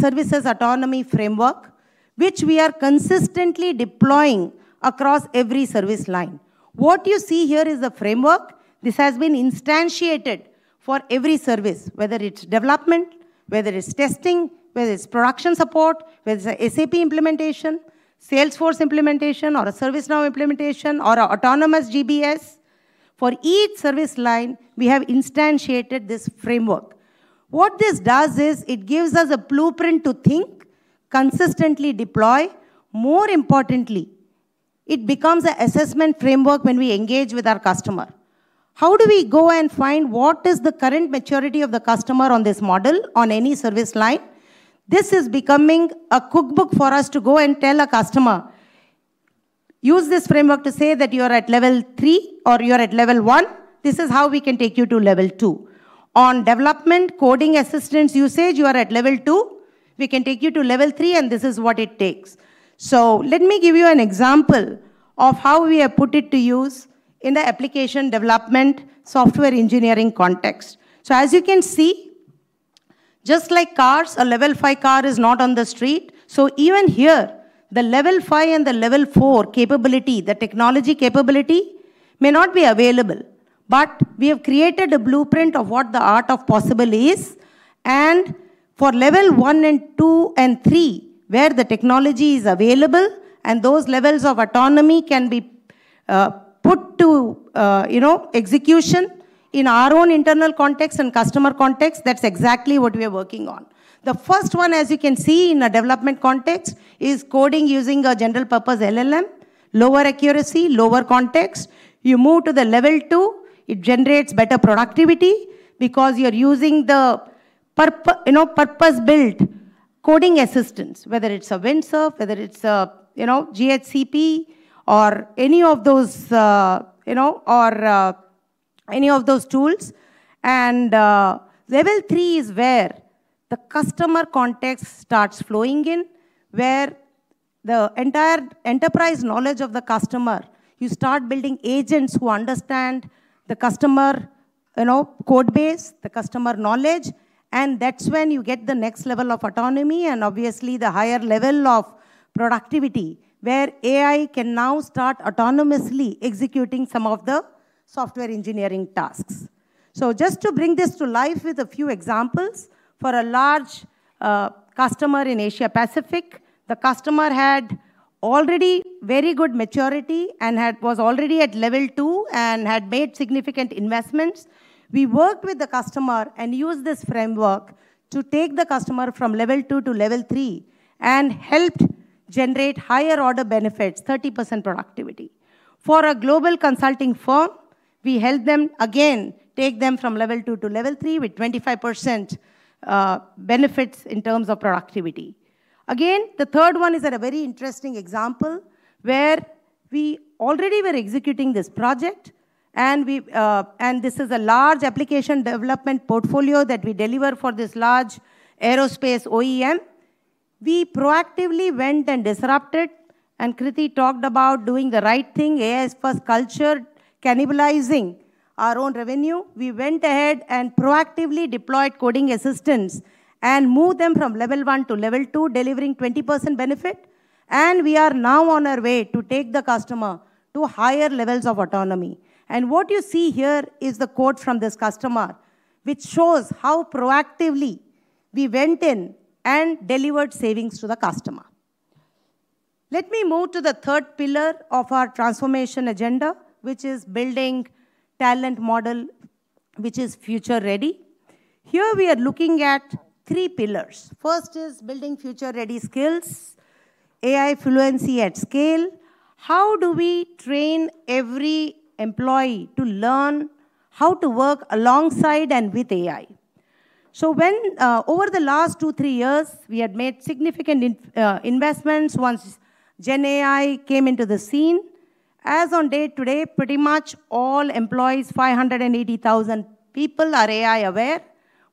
services autonomy framework, which we are consistently deploying across every service line. What you see here is a framework. This has been instantiated for every service, whether it's development, whether it's testing, whether it's production support, whether it's an SAP implementation, Salesforce implementation, or a ServiceNow implementation, or an autonomous GBS. For each service line, we have instantiated this framework. What this does is it gives us a blueprint to think, consistently deploy. More importantly, it becomes an assessment framework when we engage with our customer. How do we go and find what is the current maturity of the customer on this model, on any service line? This is becoming a cookbook for us to go and tell a customer, use this framework to say that you are at Level 3 or you are at level one. This is how we can take you to Level 2. On development, coding assistance usage, you are at Level 2. We can take you to Level 3, and this is what it takes. So let me give you an example of how we have put it to use in the application development software engineering context. So as you can see, just like cars, a Level 5 car is not on the street. So even here, the Level 5 and the Level 4 capability, the technology capability may not be available. But we have created a blueprint of what the art of possible is. And for level one and two and three, where the technology is available and those levels of autonomy can be put to execution in our own internal context and customer context, that's exactly what we are working on. The first one, as you can see in a development context, is coding using a general purpose LLM, lower accuracy, lower context. You move to the Level 2, it generates better productivity because you're using the purpose-built coding assistance, whether it's a Windsurf, whether it's a GHCP, or any of those tools. And Level 3 is where the customer context starts flowing in, where the entire enterprise knowledge of the customer, you start building agents who understand the customer code base, the customer knowledge. That's when you get the next level of autonomy and obviously the higher level of productivity where AI can now start autonomously executing some of the software engineering tasks. Just to bring this to life with a few examples, for a large customer in Asia-Pacific, the customer had already very good maturity and was already at Level 2 and had made significant investments. We worked with the customer and used this framework to take the customer from Level 2 to Level 3 and helped generate higher order benefits, 30% productivity. For a global consulting firm, we helped them, again, take them from Level 2 to Level 3 with 25% benefits in terms of productivity. Again, the third one is a very interesting example where we already were executing this project. This is a large application development portfolio that we deliver for this large aerospace OEM. We proactively went and disrupted, and Krithi talked about doing the right thing, AI-first culture, cannibalizing our own revenue. We went ahead and proactively deployed coding assistance and moved them from level one to Level 2, delivering 20% benefit. We are now on our way to take the customer to higher levels of autonomy. What you see here is the quote from this customer, which shows how proactively we went in and delivered savings to the customer. Let me move to the third pillar of our transformation agenda, which is building talent model, which is future-ready. Here we are looking at three pillars. First is building future-ready skills, AI fluency at scale. How do we train every employee to learn how to work alongside and with AI? So over the last two, three years, we had made significant investments once GenAI came into the scene. As of today, pretty much all employees, 580,000 people, are AI aware.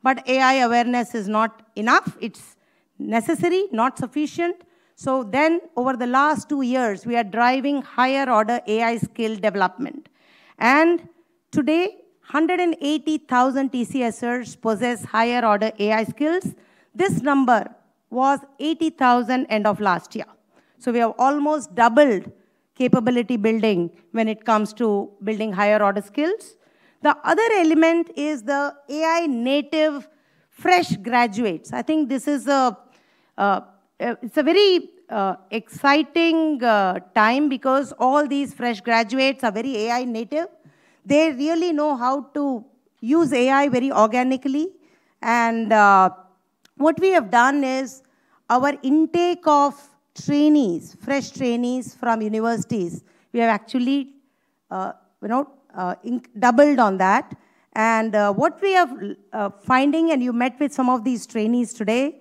But AI awareness is not enough. It's necessary, not sufficient. So then, over the last two years, we are driving higher-order AI skill development. And today, 180,000 TCSers possess higher-order AI skills. This number was 80,000 end of last year. So we have almost doubled capability building when it comes to building higher-order skills. The other element is the AI-native fresh graduates. I think this is a very exciting time because all these fresh graduates are very AI-native. They really know how to use AI very organically. And what we have done is our intake of trainees, fresh trainees from universities, we have actually doubled on that. And what we are finding, and you met with some of these trainees today,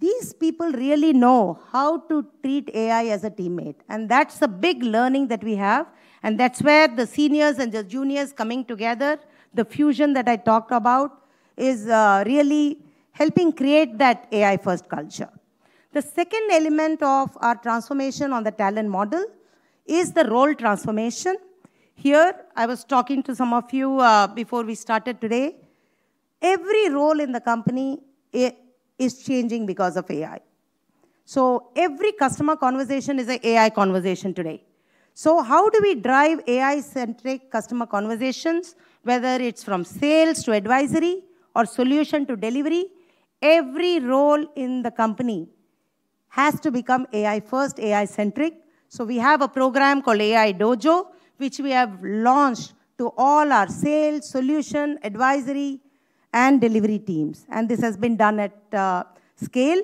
these people really know how to treat AI as a teammate. That's a big learning that we have. That's where the seniors and the juniors coming together, the fusion that I talked about, is really helping create that AI-first culture. The second element of our transformation on the talent model is the role transformation. Here, I was talking to some of you before we started today. Every role in the company is changing because of AI. Every customer conversation is an AI conversation today. How do we drive AI-centric customer conversations, whether it's from sales to advisory or solution to delivery? Every role in the company has to become AI-first, AI-centric. We have a program called AI Dojo, which we have launched to all our sales, solution, advisory, and delivery teams. This has been done at scale.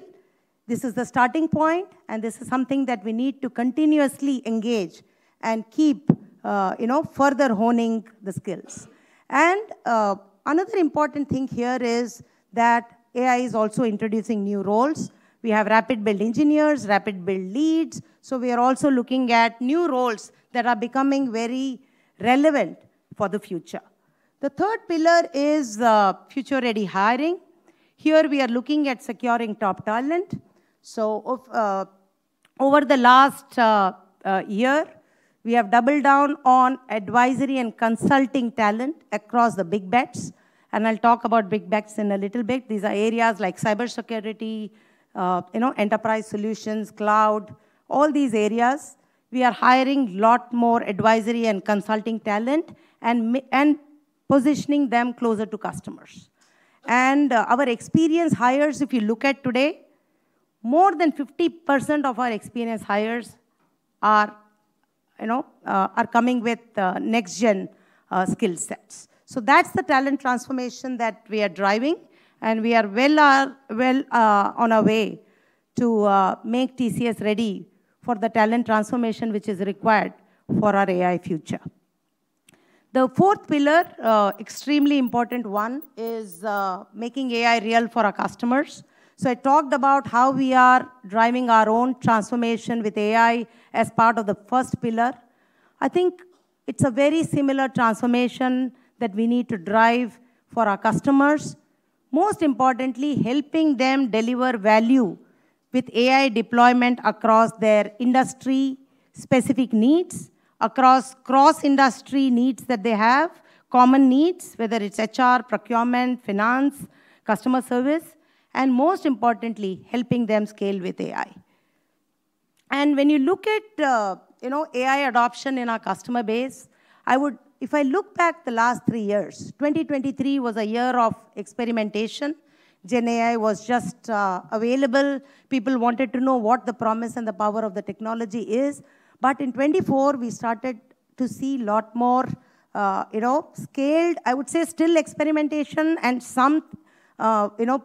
This is the starting point, and this is something that we need to continuously engage and keep further honing the skills. And another important thing here is that AI is also introducing new roles. We have Rapid Build engineers, Rapid Build leads. So we are also looking at new roles that are becoming very relevant for the future. The third pillar is future-ready hiring. Here, we are looking at securing top talent. So over the last year, we have doubled down on advisory and consulting talent across the big bets. And I'll talk about big bets in a little bit. These are areas like cybersecurity, Enterprise Solutions, cloud, all these areas. We are hiring a lot more advisory and consulting talent and positioning them closer to customers. And our experienced hires, if you look at today, more than 50% of our experienced hires are coming with next-gen skill sets. So that's the talent transformation that we are driving. And we are well on our way to make TCS ready for the talent transformation, which is required for our AI future. The fourth pillar, extremely important one, is making AI real for our customers. So I talked about how we are driving our own transformation with AI as part of the first pillar. I think it's a very similar transformation that we need to drive for our customers. Most importantly, helping them deliver value with AI deployment across their industry-specific needs, across cross-industry needs that they have, common needs, whether it's HR, procurement, finance, customer service, and most importantly, helping them scale with AI. And when you look at AI adoption in our customer base, if I look back the last three years, 2023 was a year of experimentation. GenAI was just available. People wanted to know what the promise and the power of the technology is. But in 2024, we started to see a lot more scaled, I would say, still experimentation and some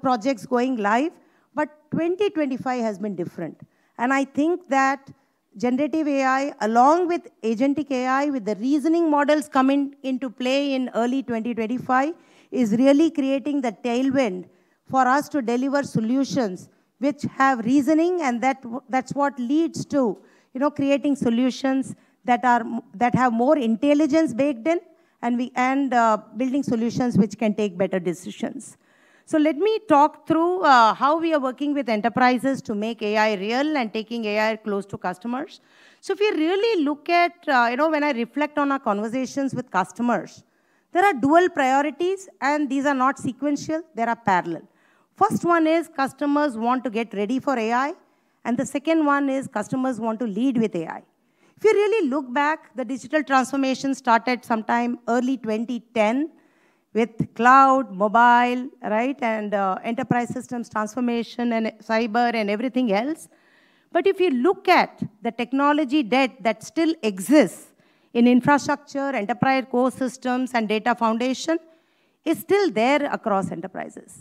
projects going live. But 2025 has been different. And I think that generative AI, along with agentic AI, with the reasoning models coming into play in early 2025, is really creating the tailwind for us to deliver solutions which have reasoning, and that's what leads to creating solutions that have more intelligence baked in and building solutions which can take better decisions. So let me talk through how we are working with enterprises to make AI real and taking AI close to customers. So if you really look at, when I reflect on our conversations with customers, there are dual priorities, and these are not sequential. They are parallel. First one is customers want to get ready for AI, and the second one is customers want to lead with AI. If you really look back, the digital transformation started sometime early 2010 with cloud, mobile, and enterprise systems transformation and cyber and everything else. But if you look at the technology debt that still exists in infrastructure, enterprise core systems, and data foundation, it's still there across enterprises.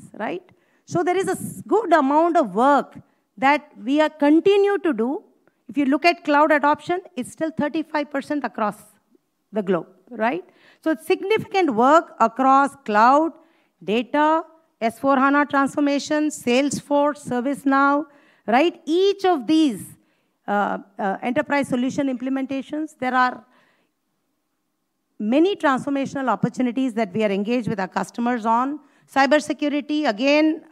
So there is a good amount of work that we continue to do. If you look at cloud adoption, it's still 35% across the globe. So it's significant work across cloud, data, S/4HANA transformation, Salesforce, ServiceNow. Each of these enterprise solution implementations, there are many transformational opportunities that we are engaged with our customers on. Cybersecurity, again,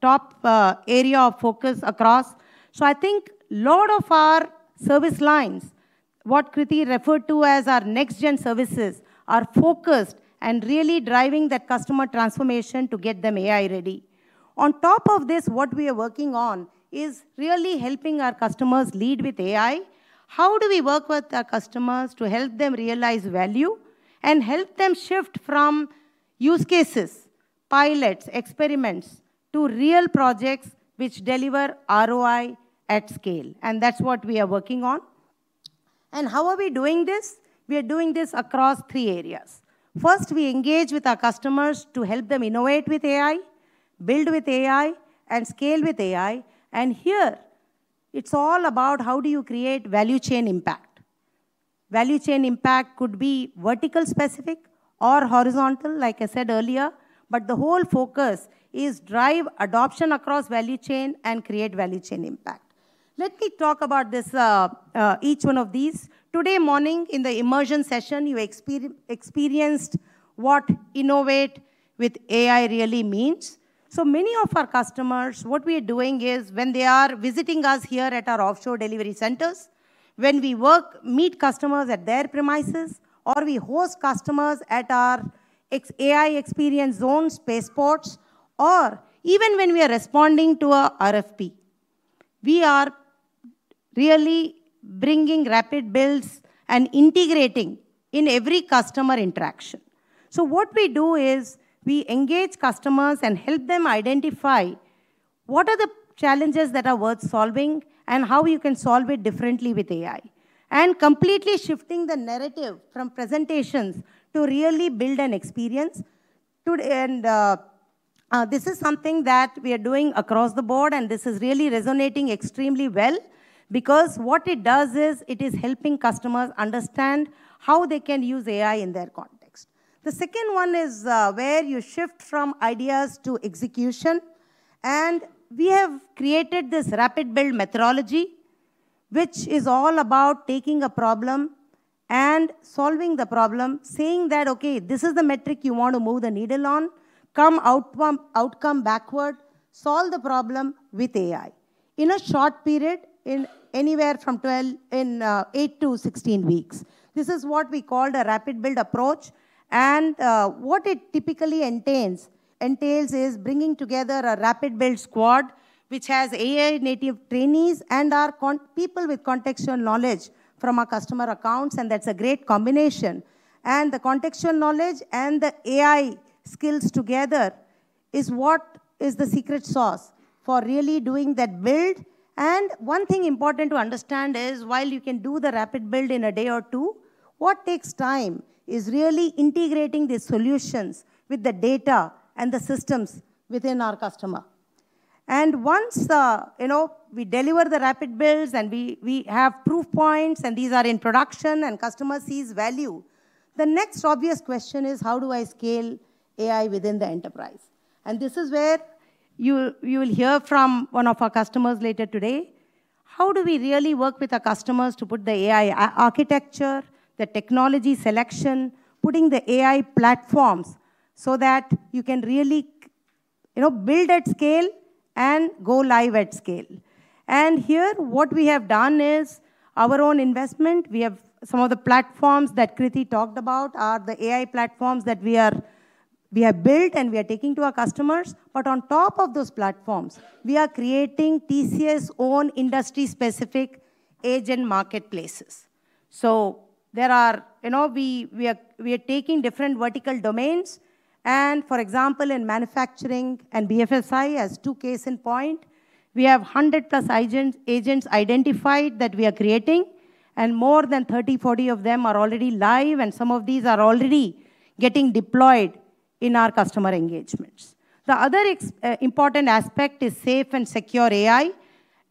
top area of focus across. So I think a lot of our service lines, what Krithi referred to as our next-gen services, are focused and really driving that customer transformation to get them AI-ready. On top of this, what we are working on is really helping our customers lead with AI. How do we work with our customers to help them realize value and help them shift from use cases, pilots, experiments to real projects which deliver ROI at scale? And that's what we are working on. And how are we doing this? We are doing this across three areas. First, we engage with our customers to help them innovate with AI, build with AI, and scale with AI. And here, it's all about how do you create value chain impact. Value chain impact could be vertical specific or horizontal, like I said earlier. But the whole focus is to drive adoption across value chain and create value chain impact. Let me talk about each one of these. Today morning, in the immersion session, you experienced what innovate with AI really means. So many of our customers, what we are doing is when they are visiting us here at our offshore delivery centers, when we work, meet customers at their premises, or we host customers at our AI experience zones, Pace Ports, or even when we are responding to an RFP, we are really bringing rapid builds and integrating in every customer interaction. So what we do is we engage customers and help them identify what are the challenges that are worth solving and how you can solve it differently with AI, and completely shifting the narrative from presentations to really build an experience. This is something that we are doing across the board, and this is really resonating extremely well because what it does is it is helping customers understand how they can use AI in their context. The second one is where you shift from ideas to execution. We have created this rapid build methodology, which is all about taking a problem and solving the problem, saying that, okay, this is the metric you want to move the needle on, from outcome backward, solve the problem with AI in a short period, anywhere from 8 to 16 weeks. This is what we called a rapid build approach. What it typically entails is bringing together a rapid build squad, which has AI-native trainees and people with contextual knowledge from our customer accounts. That's a great combination. And the contextual knowledge and the AI skills together is what is the secret sauce for really doing that build. And one thing important to understand is while you can do the rapid build in a day or two, what takes time is really integrating the solutions with the data and the systems within our customer. And once we deliver the rapid builds and we have proof points and these are in production and customer sees value, the next obvious question is, how do I scale AI within the enterprise? And this is where you will hear from one of our customers later today, how do we really work with our customers to put the AI architecture, the technology selection, putting the AI platforms so that you can really build at scale and go live at scale? And here, what we have done is our own investment. We have some of the platforms that Krithi talked about are the AI platforms that we have built and we are taking to our customers. But on top of those platforms, we are creating TCS-owned industry-specific agent marketplaces. So we are taking different vertical domains. And for example, in manufacturing and BFSI, as two cases in point, we have 100-plus agents identified that we are creating. And more than 30-40 of them are already live. And some of these are already getting deployed in our customer engagements. The other important aspect is safe and secure AI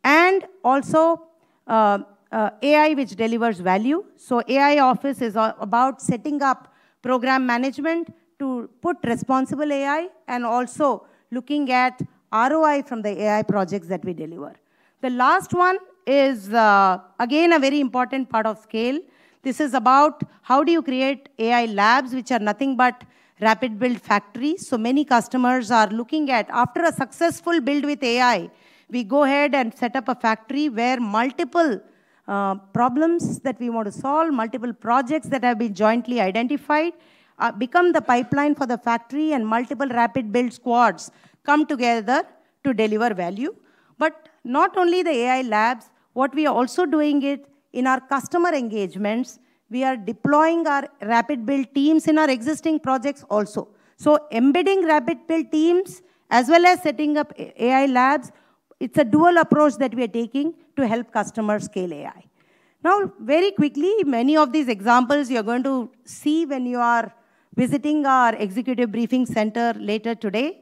and also AI which delivers value. So AI office is about setting up program management to put responsible AI and also looking at ROI from the AI projects that we deliver. The last one is, again, a very important part of scale. This is about how do you create AI labs which are nothing but rapid build factories. So many customers are looking at, after a successful build with AI, we go ahead and set up a factory where multiple problems that we want to solve, multiple projects that have been jointly identified, become the pipeline for the factory, and multiple rapid build squads come together to deliver value. But not only the AI labs, what we are also doing is in our customer engagements, we are deploying our rapid build teams in our existing projects also. So embedding rapid build teams as well as setting up AI labs, it's a dual approach that we are taking to help customers scale AI. Now, very quickly, many of these examples you're going to see when you are visiting our executive briefing center later today.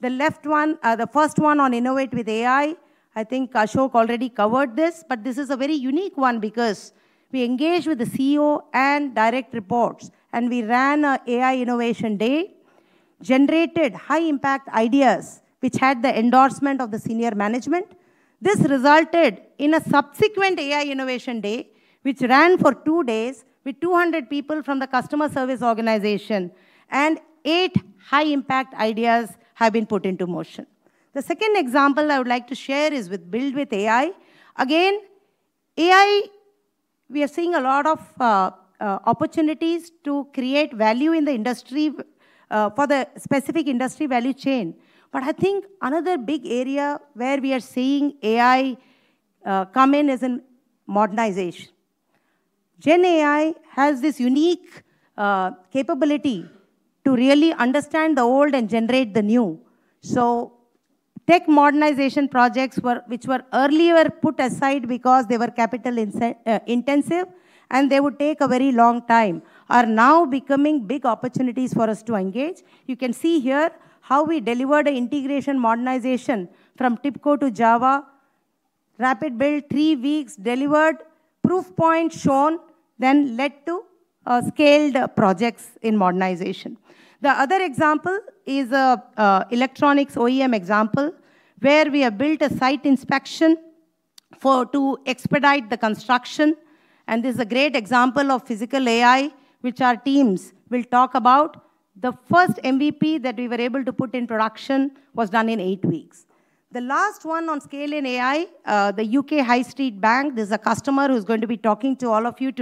The first one on innovate with AI, I think Ashok already covered this, but this is a very unique one because we engage with the CEO and direct reports, and we ran an AI innovation day, generated high-impact ideas which had the endorsement of the senior management. This resulted in a subsequent AI innovation day which ran for two days with 200 people from the customer service organization, and eight high-impact ideas have been put into motion. The second example I would like to share is with build with AI. Again, AI, we are seeing a lot of opportunities to create value in the industry for the specific industry value chain. But I think another big area where we are seeing AI come in is in modernization. GenAI has this unique capability to really understand the old and generate the new. So tech modernization projects which were earlier put aside because they were capital intensive and they would take a very long time are now becoming big opportunities for us to engage. You can see here how we delivered an integration modernization from TIBCO to Java. Rapid build, three weeks, delivered, proof points shown, then led to scaled projects in modernization. The other example is an electronics OEM example where we have built a site inspection to expedite the construction. And this is a great example of physical AI, which our teams will talk about. The first MVP that we were able to put in production was done in eight weeks. The last one on scale in AI, the U.K. High Street Bank, there's a customer who's going to be talking to all of you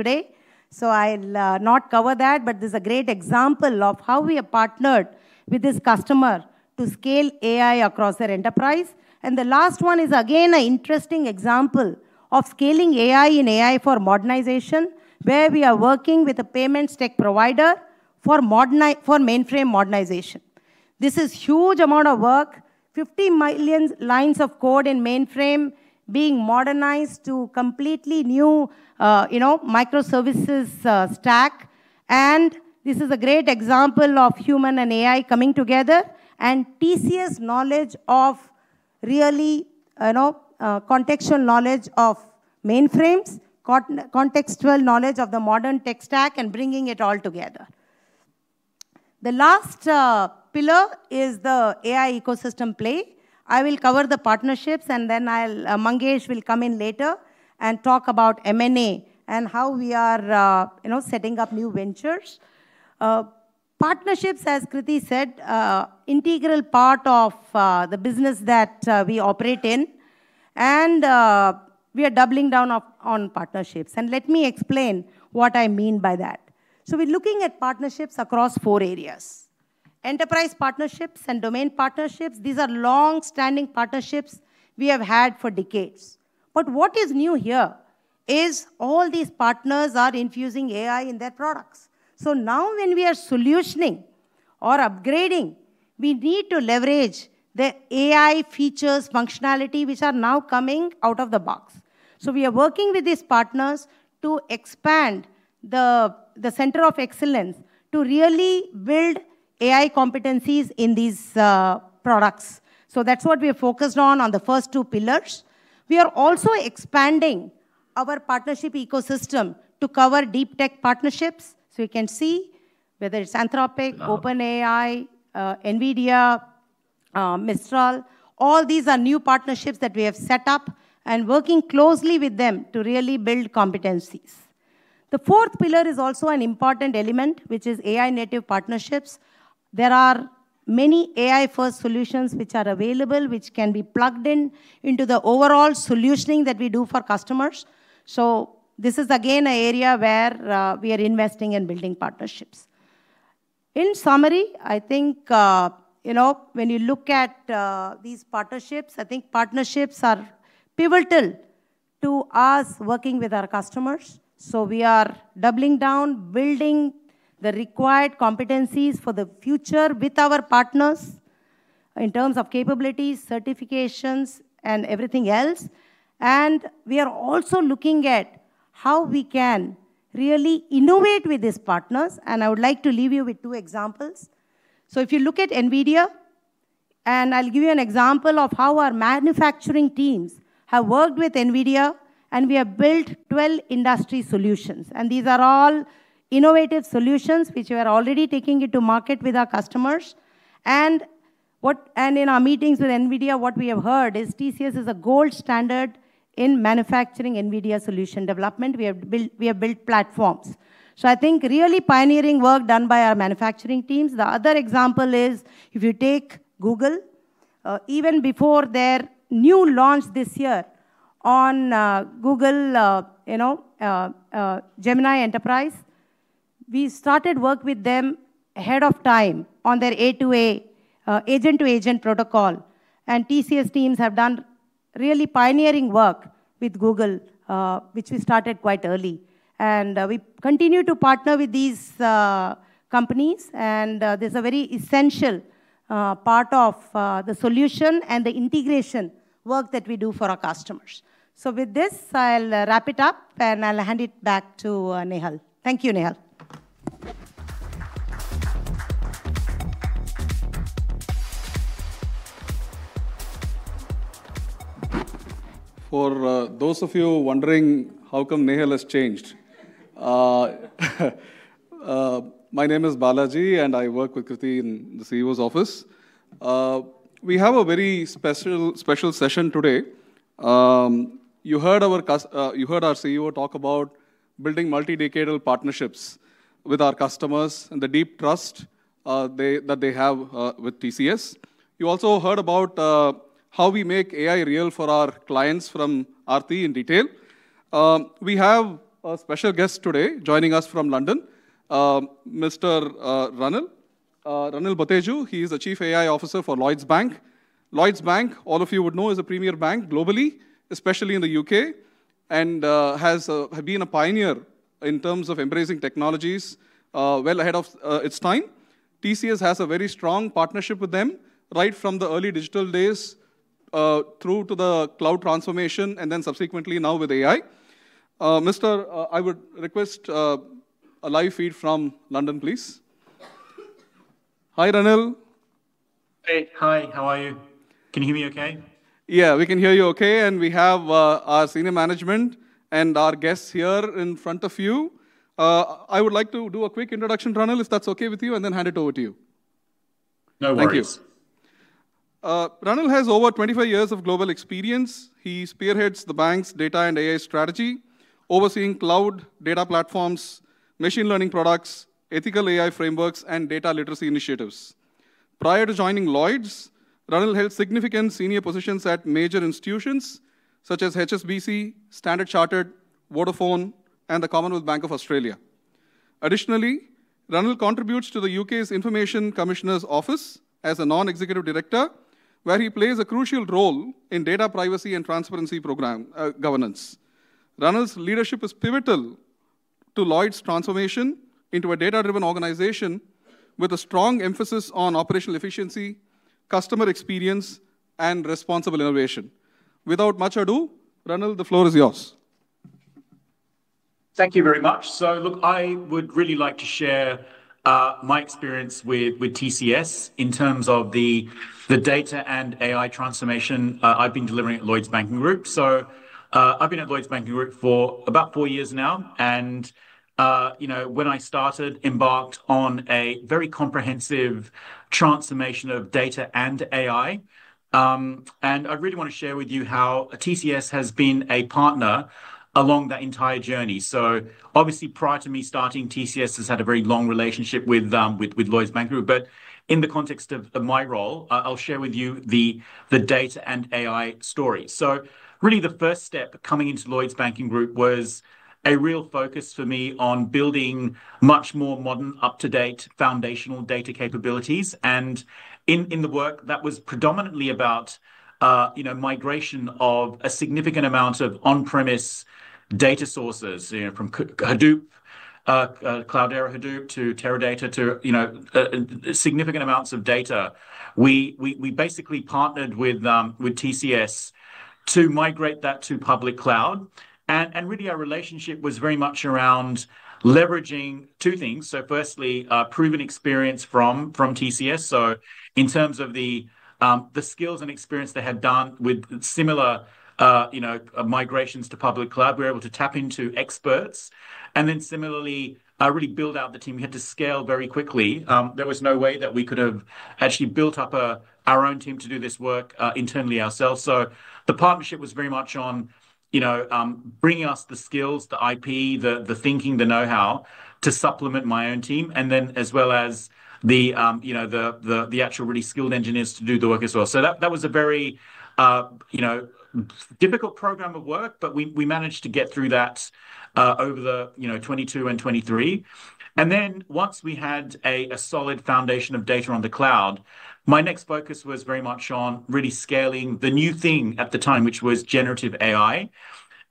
today. So I'll not cover that, but there's a great example of how we have partnered with this customer to scale AI across their enterprise. And the last one is, again, an interesting example of scaling AI in AI for modernization, where we are working with a payments tech provider for mainframe modernization. This is a huge amount of work, 50 million lines of code in mainframe being modernized to completely new microservices stack. And this is a great example of human and AI coming together and TCS knowledge of really contextual knowledge of mainframes, contextual knowledge of the modern tech stack, and bringing it all together. The last pillar is the AI ecosystem play. I will cover the partnerships, and then Mangesh will come in later and talk about M&A and how we are setting up new ventures. Partnerships, as Krithi said, are an integral part of the business that we operate in, and we are doubling down on partnerships, and let me explain what I mean by that, so we're looking at partnerships across four areas: enterprise partnerships and domain partnerships. These are long-standing partnerships we have had for decades, but what is new here is all these partners are infusing AI in their products, so now when we are solutioning or upgrading, we need to leverage the AI features functionality which are now coming out of the box, so we are working with these partners to expand the center of excellence to really build AI competencies in these products, so that's what we are focused on, on the first two pillars. We are also expanding our partnership ecosystem to cover deep tech partnerships, so you can see whether it's Anthropic, OpenAI, NVIDIA, Mistral. All these are new partnerships that we have set up and working closely with them to really build competencies. The fourth pillar is also an important element, which is AI-native partnerships. There are many AI-first solutions which are available, which can be plugged into the overall solutioning that we do for customers. So this is, again, an area where we are investing in building partnerships. In summary, I think when you look at these partnerships, I think partnerships are pivotal to us working with our customers. So we are doubling down, building the required competencies for the future with our partners in terms of capabilities, certifications, and everything else. And I would like to leave you with two examples. So if you look at NVIDIA, and I'll give you an example of how our manufacturing teams have worked with NVIDIA, and we have built 12 industry solutions. And these are all innovative solutions which we are already taking into market with our customers. And in our meetings with NVIDIA, what we have heard is TCS is a gold standard in manufacturing NVIDIA solution development. We have built platforms. So I think really pioneering work done by our manufacturing teams. The other example is if you take Google, even before their new launch this year on Google Gemini Enterprise, we started work with them ahead of time on their A2A agent-to-agent protocol. And TCS teams have done really pioneering work with Google, which we started quite early. And we continue to partner with these companies. There's a very essential part of the solution and the integration work that we do for our customers. So with this, I'll wrap it up, and I'll hand it back to Nehal. Thank you, Nehal. For those of you wondering how come Nehal has changed, my name is Balaji, and I work with Krithi in the CEO's office. We have a very special session today. You heard our CEO talk about building multi-decadal partnerships with our customers and the deep trust that they have with TCS. You also heard about how we make AI real for our clients from Aarthi in detail. We have a special guest today joining us from London, Mr. Ranil Boteju. He is a Chief AI Officer for Lloyds Bank. Lloyds Bank, all of you would know, is a premier bank globally, especially in the U.K., and has been a pioneer in terms of embracing technologies well ahead of its time. TCS has a very strong partnership with them right from the early digital days through to the cloud transformation and then subsequently now with AI. Mr., I would request a live feed from London, please. Hi, Ranil. Hey, hi, how are you? Can you hear me okay? Yeah, we can hear you okay. And we have our senior management and our guests here in front of you. I would like to do a quick introduction, Ranil, if that's okay with you, and then hand it over to you. No worries. Thank you. Ranil has over 25 years of global experience. He spearheads the bank's data and AI strategy, overseeing cloud data platforms, machine learning products, ethical AI frameworks, and data literacy initiatives. Prior to joining Lloyds, Ranil held significant senior positions at major institutions such as HSBC, Standard Chartered, Vodafone, and the Commonwealth Bank of Australia. Additionally, Ranil contributes to the U.K.'s Information Commissioner's Office as a non-executive director, where he plays a crucial role in data privacy and transparency governance. Ranil's leadership is pivotal to Lloyds' transformation into a data-driven organization with a strong emphasis on operational efficiency, customer experience, and responsible innovation. Without much ado, Ranil, the floor is yours. Thank you very much. So look, I would really like to share my experience with TCS in terms of the data and AI transformation I've been delivering at Lloyds Banking Group. So I've been at Lloyds Banking Group for about four years now. When I started, I embarked on a very comprehensive transformation of data and AI. I really want to share with you how TCS has been a partner along that entire journey. Obviously, prior to me starting, TCS has had a very long relationship with Lloyds Banking Group. In the context of my role, I'll share with you the data and AI story. Really, the first step coming into Lloyds Banking Group was a real focus for me on building much more modern, up-to-date foundational data capabilities. In the work, that was predominantly about migration of a significant amount of on-premise data sources from Hadoop, Cloudera Hadoop, to Teradata, to significant amounts of data. We basically partnered with TCS to migrate that to public cloud. Really, our relationship was very much around leveraging two things. Firstly, proven experience from TCS. So in terms of the skills and experience they had done with similar migrations to public cloud, we were able to tap into experts. And then similarly, really build out the team. We had to scale very quickly. There was no way that we could have actually built up our own team to do this work internally ourselves. So the partnership was very much on bringing us the skills, the IP, the thinking, the know-how to supplement my own team, and then as well as the actual really skilled engineers to do the work as well. So that was a very difficult program of work, but we managed to get through that over the 2022 and 2023. And then once we had a solid foundation of data on the cloud, my next focus was very much on really scaling the new thing at the time, which was generative AI.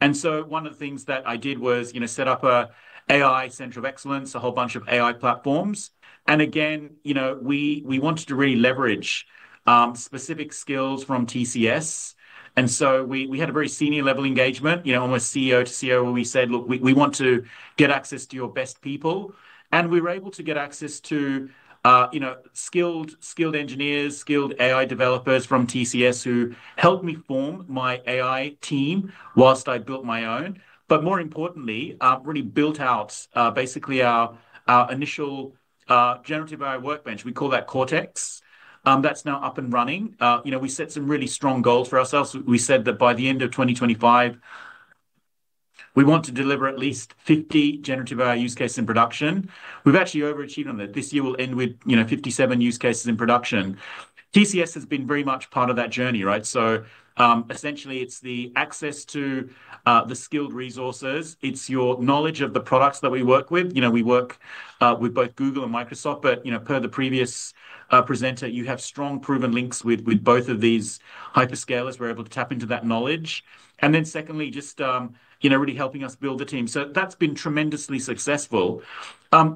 One of the things that I did was set up an AI center of excellence, a whole bunch of AI platforms. And again, we wanted to really leverage specific skills from TCS. And so we had a very senior-level engagement, almost CEO to CEO, where we said, "Look, we want to get access to your best people." And we were able to get access to skilled engineers, skilled AI developers from TCS who helped me form my AI team whilst I built my own. But more importantly, really built out basically our initial generative AI workbench. We call that Cortex. That's now up and running. We set some really strong goals for ourselves. We said that by the end of 2025, we want to deliver at least 50 generative AI use cases in production. We've actually overachieved on that. This year will end with 57 use cases in production. TCS has been very much part of that journey, right? So essentially, it's the access to the skilled resources. It's your knowledge of the products that we work with. We work with both Google and Microsoft, but per the previous presenter, you have strong proven links with both of these hyperscalers. We're able to tap into that knowledge, and then secondly, just really helping us build the team, so that's been tremendously successful.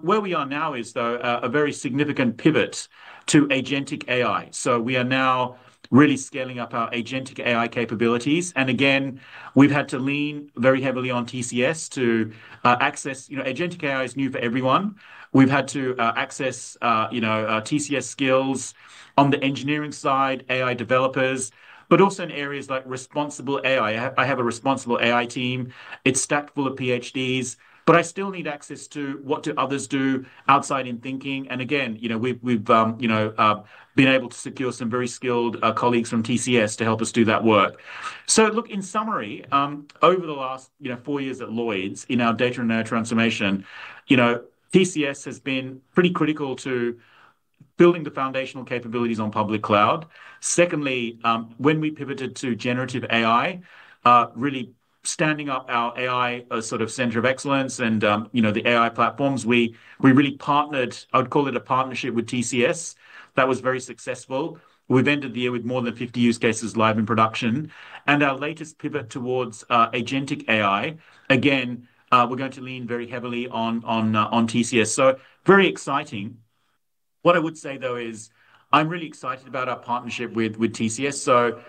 Where we are now is, though, a very significant pivot to agentic AI, so we are now really scaling up our agentic AI capabilities, and again, we've had to lean very heavily on TCS to access agentic AI is new for everyone. We've had to access TCS skills on the engineering side, AI developers, but also in areas like responsible AI. I have a responsible AI team. It's stacked full of PhDs, but I still need access to what do others do outside in thinking, and again, we've been able to secure some very skilled colleagues from TCS to help us do that work, so look, in summary, over the last four years at Lloyds in our data and AI transformation, TCS has been pretty critical to building the foundational capabilities on public cloud. Secondly, when we pivoted to generative AI, really standing up our AI sort of center of excellence and the AI platforms, we really partnered, I would call it a partnership with TCS. That was very successful. We've ended the year with more than 50 use cases live in production, and our latest pivot towards agentic AI, again, we're going to lean very heavily on TCS, so very exciting. What I would say, though, is I'm really excited about our partnership with TCS. So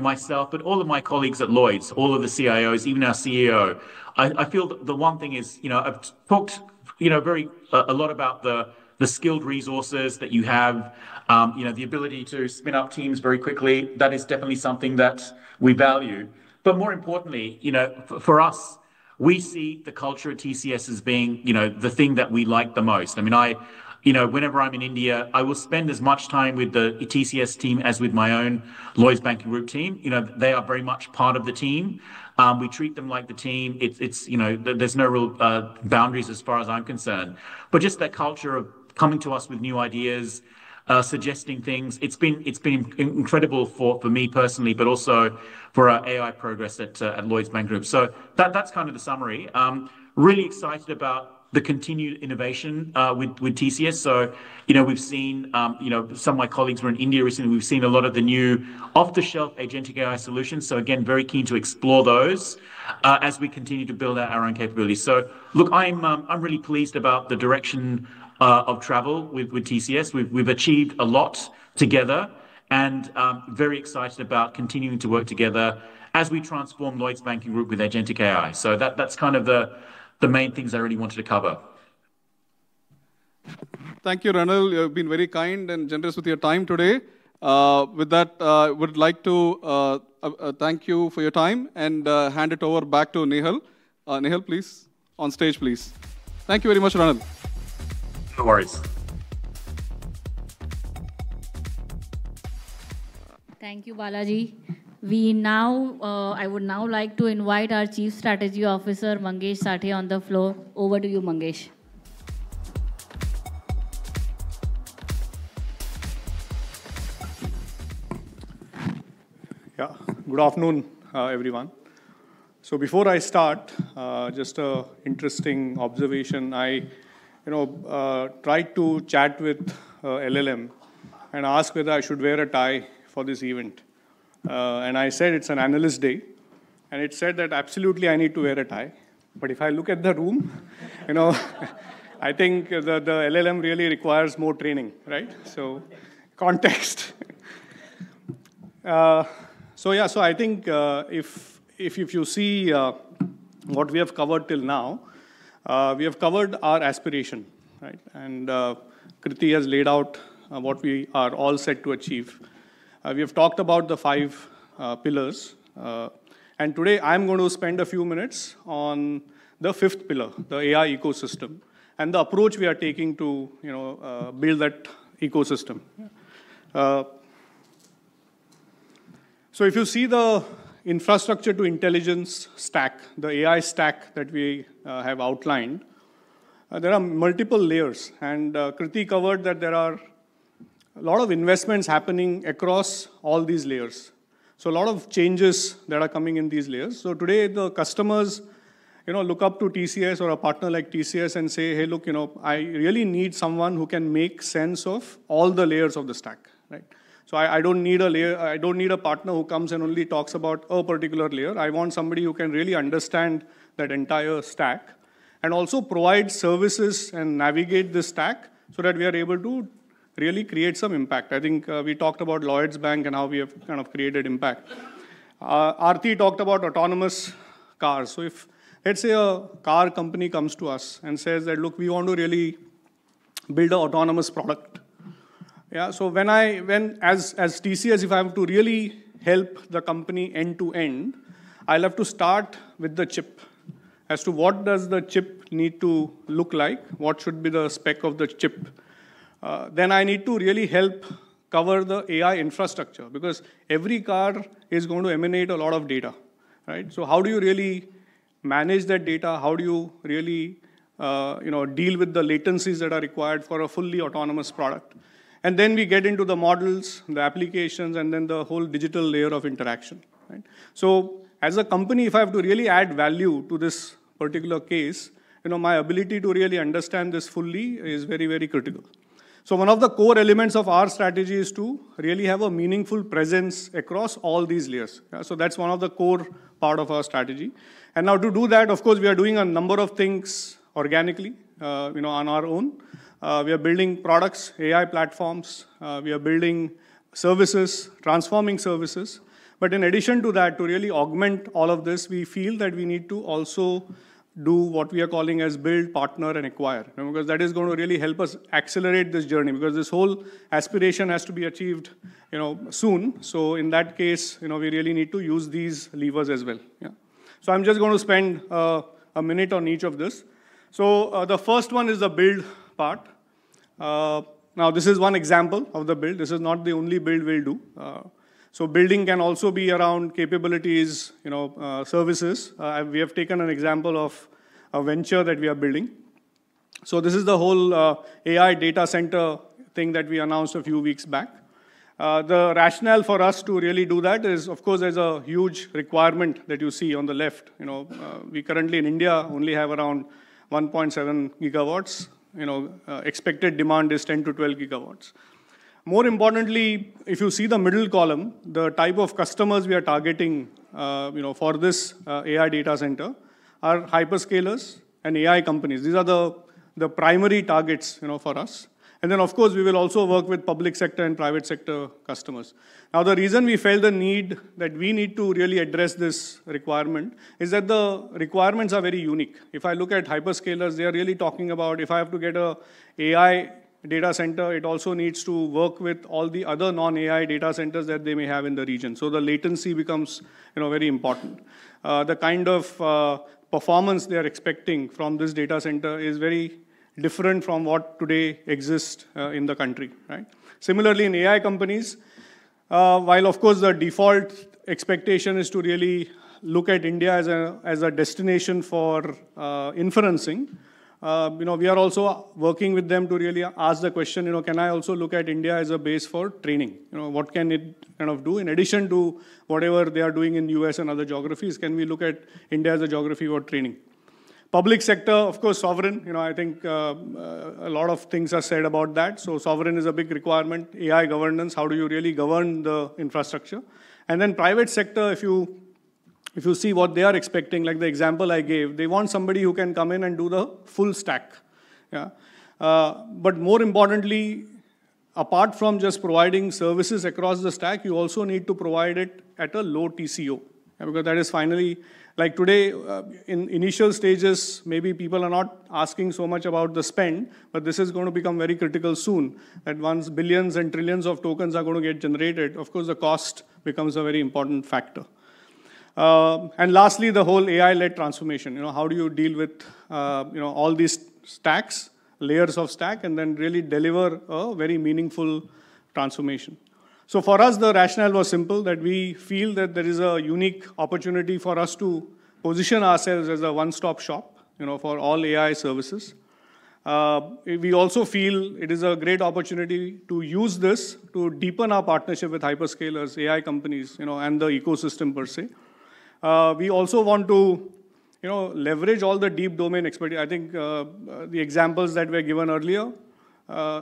myself, but all of my colleagues at Lloyds, all of the CIOs, even our CEO, I feel the one thing is I've talked a lot about the skilled resources that you have, the ability to spin up teams very quickly. That is definitely something that we value. But more importantly, for us, we see the culture at TCS as being the thing that we like the most. I mean, whenever I'm in India, I will spend as much time with the TCS team as with my own Lloyds Banking Group team. They are very much part of the team. We treat them like the team. There's no real boundaries as far as I'm concerned. But just that culture of coming to us with new ideas, suggesting things, it's been incredible for me personally, but also for our AI progress at Lloyds Banking Group. So that's kind of the summary. Really excited about the continued innovation with TCS. So we've seen some of my colleagues were in India recently. We've seen a lot of the new off-the-shelf agentic AI solutions. So again, very keen to explore those as we continue to build out our own capabilities. So look, I'm really pleased about the direction of travel with TCS. We've achieved a lot together and very excited about continuing to work together as we transform Lloyds Banking Group with agentic AI. So that's kind of the main things I really wanted to cover. Thank you, Ranil. You've been very kind and generous with your time today. With that, I would like to thank you for your time and hand it over back to Nehal. Nehal, please, on stage, please. Thank you very much, Ranil. No worries. Thank you, Balaji. I would now like to invite our Chief Strategy Officer, Mangesh Sathe, on the floor. Over to you, Mangesh. Yeah, good afternoon, everyone. Before I start, just an interesting observation. I tried to chat with LLM and ask whether I should wear a tie for this event. I said it's an analyst day. It said that absolutely I need to wear a tie. But if I look at the room, I think the LLM really requires more training, right? Context. Yeah, I think if you see what we have covered till now, we have covered our aspiration, right? Krithi has laid out what we are all set to achieve. We have talked about the five pillars. Today, I'm going to spend a few minutes on the fifth pillar, the AI ecosystem and the approach we are taking to build that ecosystem. If you see the infrastructure to intelligence stack, the AI stack that we have outlined, there are multiple layers. Krithi covered that there are a lot of investments happening across all these layers. A lot of changes are coming in these layers. Today, the customers look up to TCS or a partner like TCS and say, "Hey, look, I really need someone who can make sense of all the layers of the stack, right?" I don't need a partner who comes and only talks about a particular layer. I want somebody who can really understand that entire stack and also provide services and navigate this stack so that we are able to really create some impact. I think we talked about Lloyds Bank and how we have kind of created impact. Aarthi talked about autonomous cars. So if, let's say, a car company comes to us and says that, "Look, we want to really build an autonomous product." Yeah, so as TCS, if I have to really help the company end to end, I'll have to start with the chip as to what does the chip need to look like, what should be the spec of the chip. Then I need to really help cover the AI infrastructure because every car is going to emanate a lot of data, right? So how do you really manage that data? How do you really deal with the latencies that are required for a fully autonomous product? And then we get into the models, the applications, and then the whole digital layer of interaction, right? So as a company, if I have to really add value to this particular case, my ability to really understand this fully is very, very critical. So one of the core elements of our strategy is to really have a meaningful presence across all these layers. So that's one of the core parts of our strategy. And now to do that, of course, we are doing a number of things organically on our own. We are building products, AI platforms. We are building services, transforming services. But in addition to that, to really augment all of this, we feel that we need to also do what we are calling as build, partner, and acquire because that is going to really help us accelerate this journey because this whole aspiration has to be achieved soon. So in that case, we really need to use these levers as well. So I'm just going to spend a minute on each of this. So the first one is the build part. Now, this is one example of the build. This is not the only build we'll do. So building can also be around capabilities, services. We have taken an example of a venture that we are building. So this is the whole AI data center thing that we announced a few weeks back. The rationale for us to really do that is, of course, there's a huge requirement that you see on the left. We currently in India only have around 1.7 gigawatts. Expected demand is 10-12 gigawatts. More importantly, if you see the middle column, the type of customers we are targeting for this AI data center are hyperscalers and AI companies. These are the primary targets for us. And then, of course, we will also work with public sector and private sector customers. Now, the reason we felt the need that we need to really address this requirement is that the requirements are very unique. If I look at hyperscalers, they are really talking about if I have to get an AI data center, it also needs to work with all the other non-AI data centers that they may have in the region. So the latency becomes very important. The kind of performance they are expecting from this data center is very different from what today exists in the country, right? Similarly, in AI companies, while, of course, the default expectation is to really look at India as a destination for inferencing, we are also working with them to really ask the question, "Can I also look at India as a base for training? What can it kind of do?" In addition to whatever they are doing in the U.S. and other geographies, can we look at India as a geography for training? Public sector, of course, sovereign. I think a lot of things are said about that. So sovereign is a big requirement. AI governance, how do you really govern the infrastructure? And then private sector, if you see what they are expecting, like the example I gave, they want somebody who can come in and do the full stack. But more importantly, apart from just providing services across the stack, you also need to provide it at a low TCO because that is finally, like today, in initial stages, maybe people are not asking so much about the spend, but this is going to become very critical soon that once billions and trillions of tokens are going to get generated, of course, the cost becomes a very important factor. And lastly, the whole AI-led transformation. How do you deal with all these stacks, layers of stack, and then really deliver a very meaningful transformation? So for us, the rationale was simple that we feel that there is a unique opportunity for us to position ourselves as a one-stop shop for all AI services. We also feel it is a great opportunity to use this to deepen our partnership with hyperscalers, AI companies, and the ecosystem per se. We also want to leverage all the deep domain expertise. I think the examples that were given earlier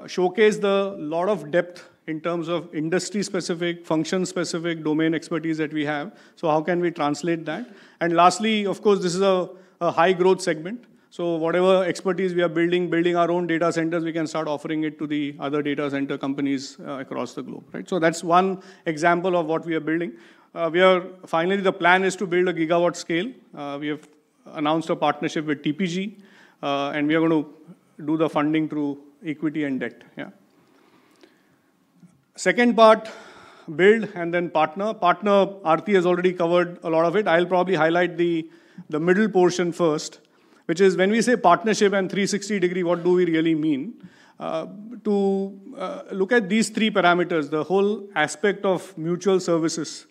showcase a lot of depth in terms of industry-specific, function-specific domain expertise that we have. So how can we translate that? And lastly, of course, this is a high-growth segment. So whatever expertise we are building, building our own data centers, we can start offering it to the other data center companies across the globe, right? So that's one example of what we are building. Finally, the plan is to build a gigawatt scale. We have announced a partnership with TPG, and we are going to do the funding through equity and debt, yeah. Second part, build and then partner. Partner, Aarthi has already covered a lot of it. I'll probably highlight the middle portion first, which is when we say partnership and 360-degree, what do we really mean? To look at these three parameters, the whole aspect of mutual services.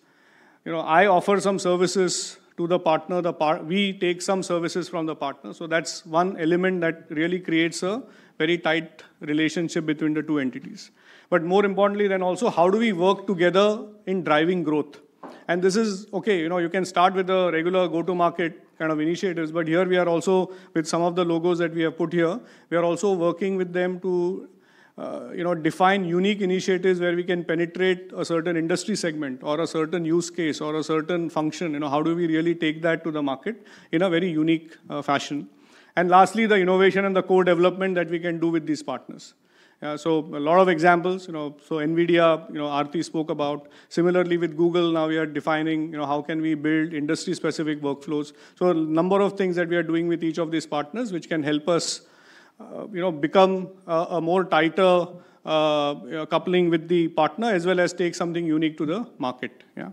I offer some services to the partner. We take some services from the partner. So that's one element that really creates a very tight relationship between the two entities. But more importantly than also, how do we work together in driving growth? And this is okay. You can start with the regular go-to-market kind of initiatives. But here we are also with some of the logos that we have put here. We are also working with them to define unique initiatives where we can penetrate a certain industry segment or a certain use case or a certain function. How do we really take that to the market in a very unique fashion? And lastly, the innovation and the co-development that we can do with these partners. So a lot of examples. So NVIDIA, Aarthi spoke about. Similarly, with Google, now we are defining how can we build industry-specific workflows. So a number of things that we are doing with each of these partners, which can help us become a more tighter coupling with the partner as well as take something unique to the market, yeah?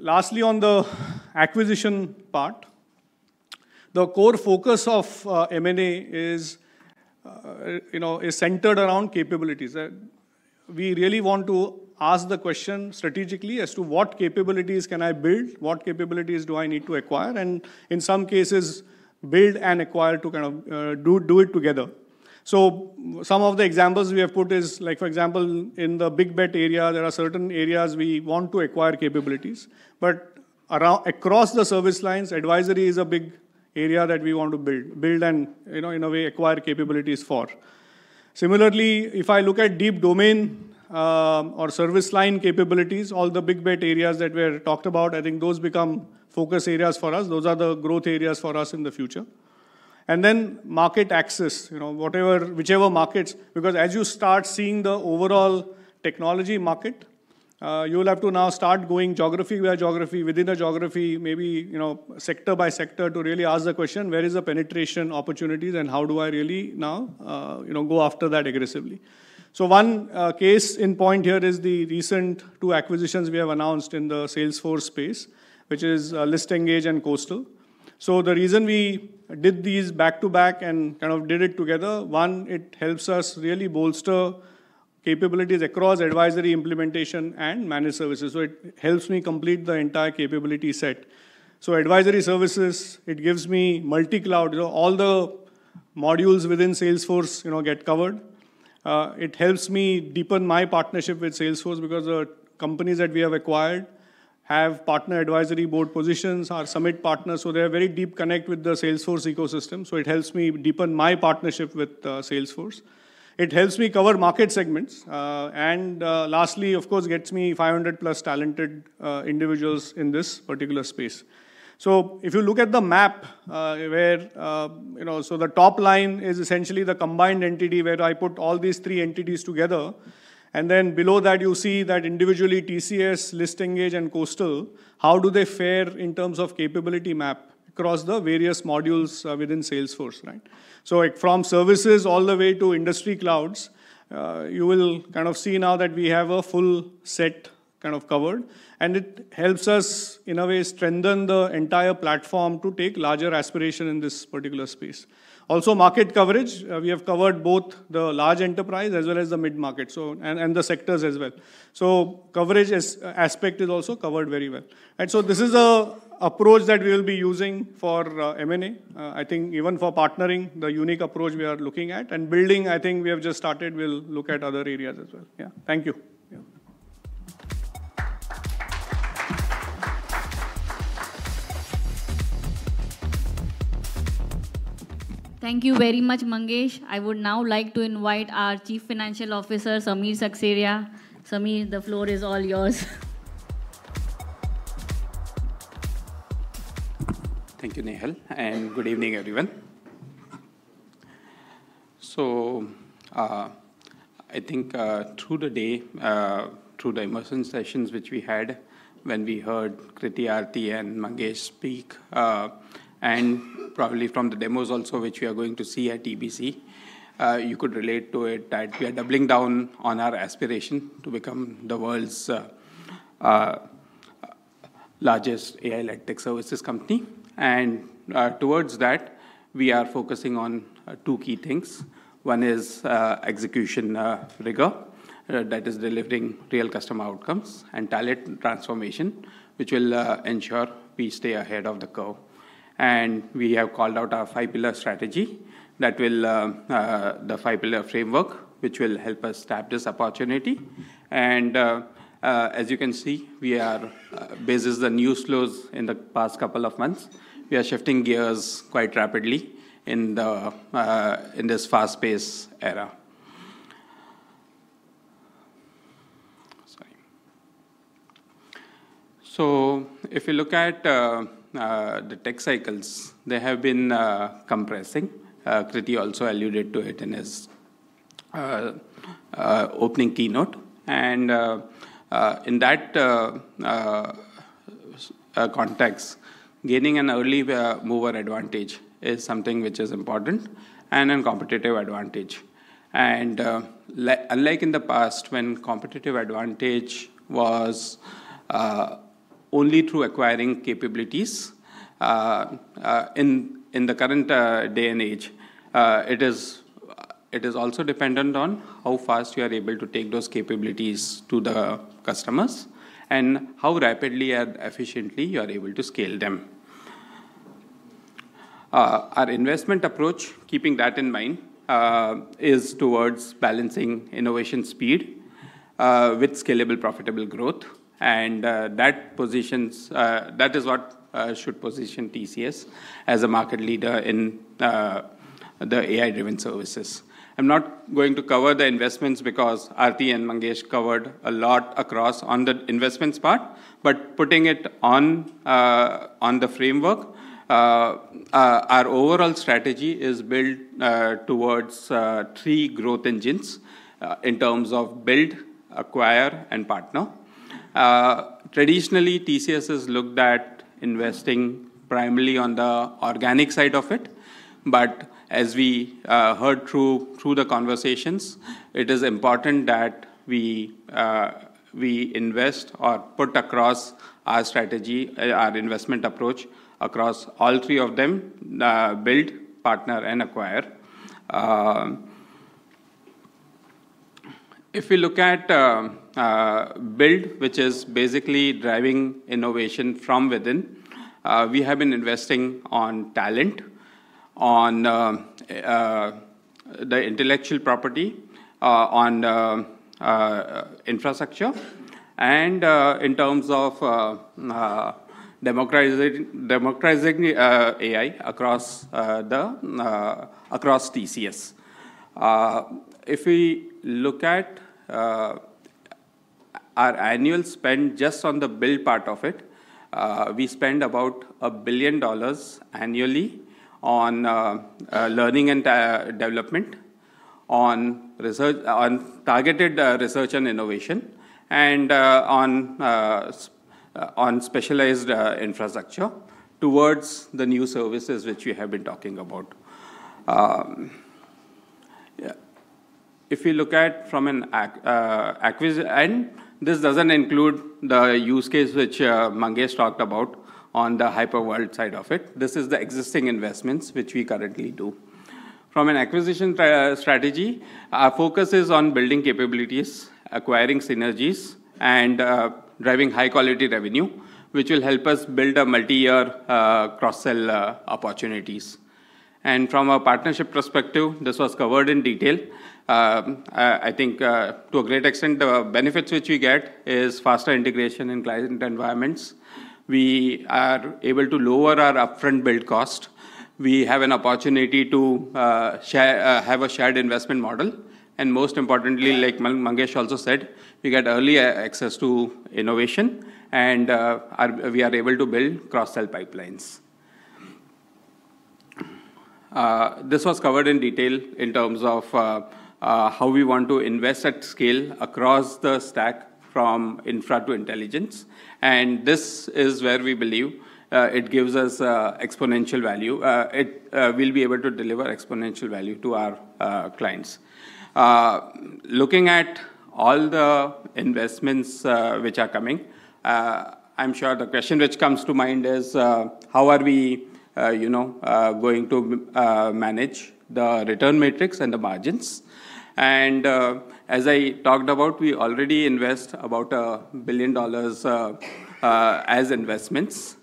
Lastly, on the acquisition part, the core focus of M&A is centered around capabilities. We really want to ask the question strategically as to what capabilities can I build, what capabilities do I need to acquire, and in some cases, build and acquire to kind of do it together. So some of the examples we have put is like, for example, in the big bet area, there are certain areas we want to acquire capabilities. But across the service lines, advisory is a big area that we want to build and in a way, acquire capabilities for. Similarly, if I look at deep domain or service line capabilities, all the big bet areas that were talked about, I think those become focus areas for us. Those are the growth areas for us in the future, and then market access, whichever markets, because as you start seeing the overall technology market, you'll have to now start going geography by geography, within a geography, maybe sector by sector to really ask the question, "Where is the penetration opportunities and how do I really now go after that aggressively?" One case in point here is the recent two acquisitions we have announced in the Salesforce space, which is ListEngage and Coastal Cloud. The reason we did these back to back and kind of did it together, one, it helps us really bolster capabilities across advisory implementation and managed services. It helps me complete the entire capability set. Advisory services give me multi-cloud. All the modules within Salesforce get covered. It helps me deepen my partnership with Salesforce because the companies that we have acquired have partner advisory board positions, are summit partners. So they have a very deep connect with the Salesforce ecosystem. So it helps me deepen my partnership with Salesforce. It helps me cover market segments. And lastly, of course, gets me 500-plus talented individuals in this particular space. So if you look at the map, so the top line is essentially the combined entity where I put all these three entities together. And then below that, you see that individually TCS, ListEngage, and Coastal, how do they fare in terms of capability map across the various modules within Salesforce, right? So from services all the way to industry clouds, you will kind of see now that we have a full set kind of covered. And it helps us in a way strengthen the entire platform to take larger aspiration in this particular space. Also, market coverage. We have covered both the large enterprise as well as the mid-market and the sectors as well. So coverage aspect is also covered very well. And so this is the approach that we will be using for M&A, I think even for partnering, the unique approach we are looking at and building. I think we have just started. We'll look at other areas as well. Yeah, thank you. Thank you very much, Mangesh. I would now like to invite our Chief Financial Officer, Samir Seksaria. Samir, the floor is all yours. Thank you, Nehal. And good evening, everyone. So I think through the day, through the immersion sessions which we had when we heard Krithi, Aarthi, and Mangesh speak, and probably from the demos also which we are going to see at TBC, you could relate to it that we are doubling down on our aspiration to become the world's largest AI-led tech services company. And towards that, we are focusing on two key things. One is execution rigor that is delivering real customer outcomes and talent transformation, which will ensure we stay ahead of the curve. And we have called out our five-pillar strategy that is the five-pillar framework, which will help us tap this opportunity. And as you can see, we are breaking new ground in the past couple of months. We are shifting gears quite rapidly in this fast-paced era. So if you look at the tech cycles, they have been compressing. Krithi also alluded to it in his opening keynote. And in that context, gaining an early mover advantage is something which is important and a competitive advantage. And unlike in the past, when competitive advantage was only through acquiring capabilities, in the current day and age, it is also dependent on how fast you are able to take those capabilities to the customers and how rapidly and efficiently you are able to scale them. Our investment approach, keeping that in mind, is towards balancing innovation speed with scalable, profitable growth. And that is what should position TCS as a market leader in the AI-driven services. I'm not going to cover the investments because Aarthi and Mangesh covered a lot across on the investments part. But putting it on the framework, our overall strategy is built towards three growth engines in terms of build, acquire, and partner. Traditionally, TCS has looked at investing primarily on the organic side of it. But as we heard through the conversations, it is important that we invest or put across our strategy, our investment approach across all three of them, build, partner, and acquire. If you look at build, which is basically driving innovation from within, we have been investing on talent, on the intellectual property, on infrastructure, and in terms of democratizing AI across TCS. If we look at our annual spend just on the build part of it, we spend about $1 billion annually on learning and development, on targeted research and innovation, and on specialized infrastructure towards the new services which we have been talking about. If you look at from an acquisition, and this doesn't include the use case which Mangesh talked about on the Cyber Vault side of it. This is the existing investments which we currently do. From an acquisition strategy, our focus is on building capabilities, acquiring synergies, and driving high-quality revenue, which will help us build a multi-year cross-sell opportunities, and from a partnership perspective, this was covered in detail. I think to a great extent, the benefits which we get is faster integration in client environments. We are able to lower our upfront build cost. We have an opportunity to have a shared investment model, and most importantly, like Mangesh also said, we get early access to innovation, and we are able to build cross-sell pipelines. This was covered in detail in terms of how we want to invest at scale across the stack from infra to intelligence, and this is where we believe it gives us exponential value. It will be able to deliver exponential value to our clients. Looking at all the investments which are coming, I'm sure the question which comes to mind is, how are we going to manage the return metrics and the margins? As I talked about, we already invest about $1 billion as investments.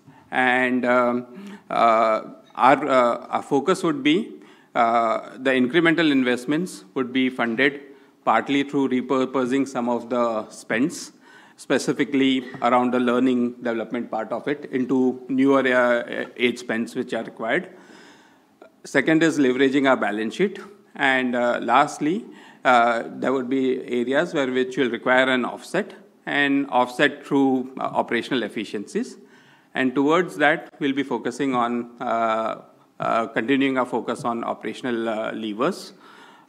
Our focus would be the incremental investments would be funded partly through repurposing some of the spends, specifically around the learning development part of it into newer age spends which are required. Second is leveraging our balance sheet. Lastly, there would be areas which will require an offset and offset through operational efficiencies. Towards that, we'll be focusing on continuing our focus on operational levers,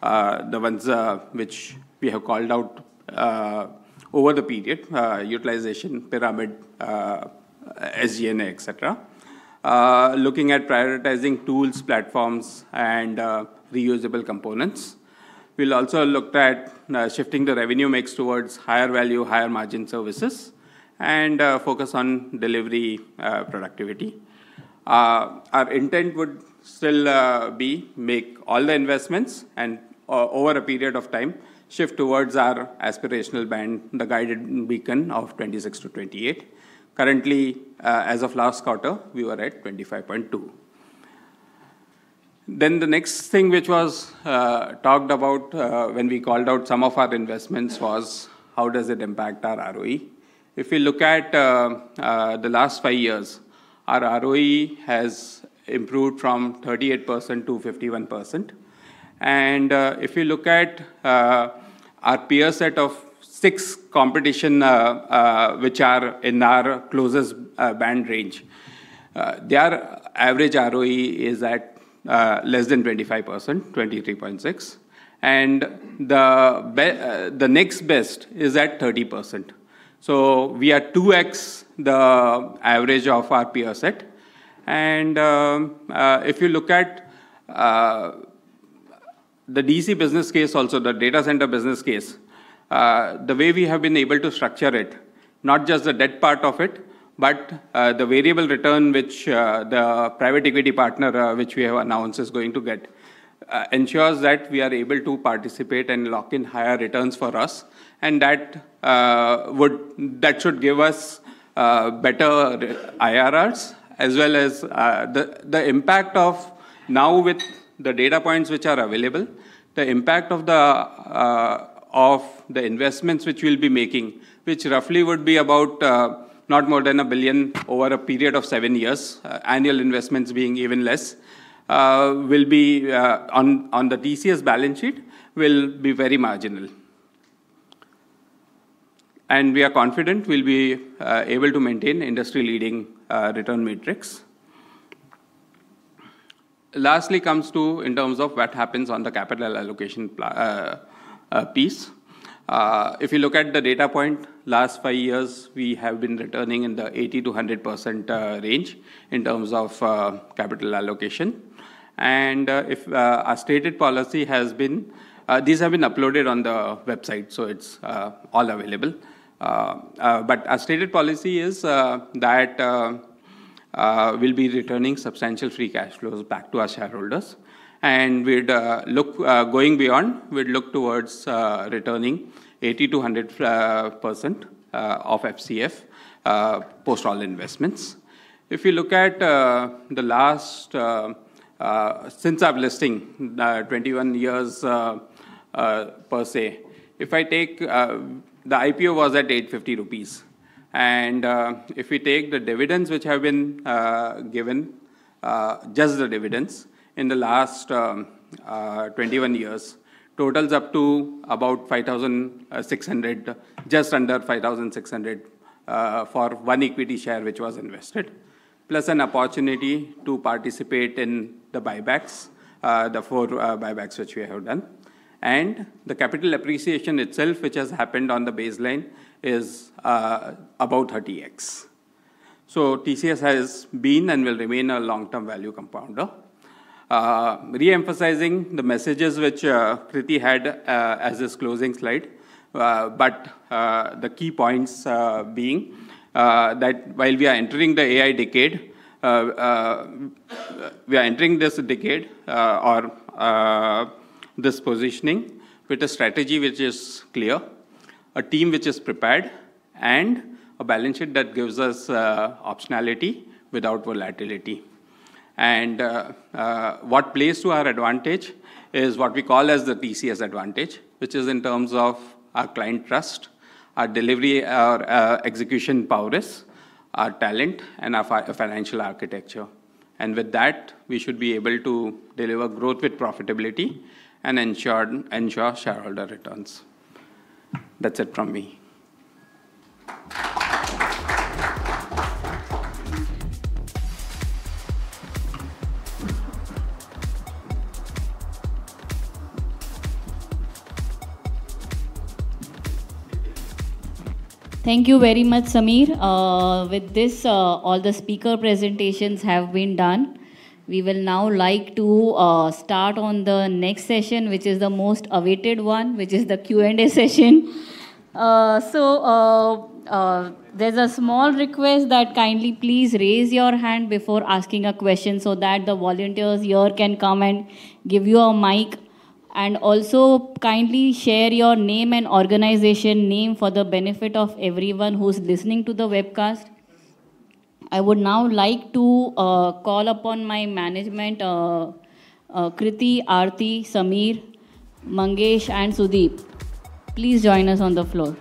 the ones which we have called out over the period, utilization pyramid, SG&A, etc. Looking at prioritizing tools, platforms, and reusable components. We'll also look at shifting the revenue mix towards higher value, higher margin services and focus on delivery productivity. Our intent would still be to make all the investments and over a period of time shift towards our aspirational band, the guided beacon of 26%-28%. Currently, as of last quarter, we were at 25.2%. Then the next thing which was talked about when we called out some of our investments was, how does it impact our ROE? If you look at the last five years, our ROE has improved from 38% to 51%. And if you look at our peer set of six competition which are in our closest band range, their average ROE is at less than 25%, 23.6%. And the next best is at 30%. So we are 2x the average of our peer set. If you look at the DC business case, also the data center business case, the way we have been able to structure it, not just the debt part of it, but the variable return which the private equity partner which we have announced is going to get ensures that we are able to participate and lock in higher returns for us. That should give us better IRRs as well. As the impact of now with the data points which are available, the impact of the investments which we'll be making, which roughly would be about not more than $1 billion over a period of seven years, annual investments being even less, will be on the TCS balance sheet will be very marginal. We are confident we'll be able to maintain industry-leading return metrics. Lastly comes to in terms of what happens on the capital allocation piece. If you look at the data point, last five years, we have been returning in the 80%-100% range in terms of capital allocation, and our stated policy has been these have been uploaded on the website, so it's all available, but our stated policy is that we'll be returning substantial free cash flows back to our shareholders, and going beyond, we'd look towards returning 80%-100% of FCF post all investments. If you look at the last since our listing, 21 years per se, if I take the IPO was at 850 rupees, and if we take the dividends which have been given, just the dividends in the last 21 years, totals up to about 5,600, just under 5,600 for one equity share which was invested, plus an opportunity to participate in the buybacks, the four buybacks which we have done. The capital appreciation itself, which has happened on the baseline, is about 30x. TCS has been and will remain a long-term value compounder. Re-emphasizing the messages which Krithi had as this closing slide, but the key points being that while we are entering the AI decade, we are entering this decade or this positioning with a strategy which is clear, a team which is prepared, and a balance sheet that gives us optionality without volatility. What plays to our advantage is what we call as the TCS advantage, which is in terms of our client trust, our delivery, our execution powers, our talent, and our financial architecture. With that, we should be able to deliver growth with profitability and ensure shareholder returns. That's it from me. Thank you very much, Samir. With this, all the speaker presentations have been done. We will now like to start on the next session, which is the most awaited one, which is the Q&A session. So there's a small request that kindly please raise your hand before asking a question so that the volunteers here can come and give you a mic. And also kindly share your name and organization name for the benefit of everyone who's listening to the webcast. I would now like to call upon my management, Krithi, Aarthi, Samir, Mangesh, and Sudeep. Please join us on the floor.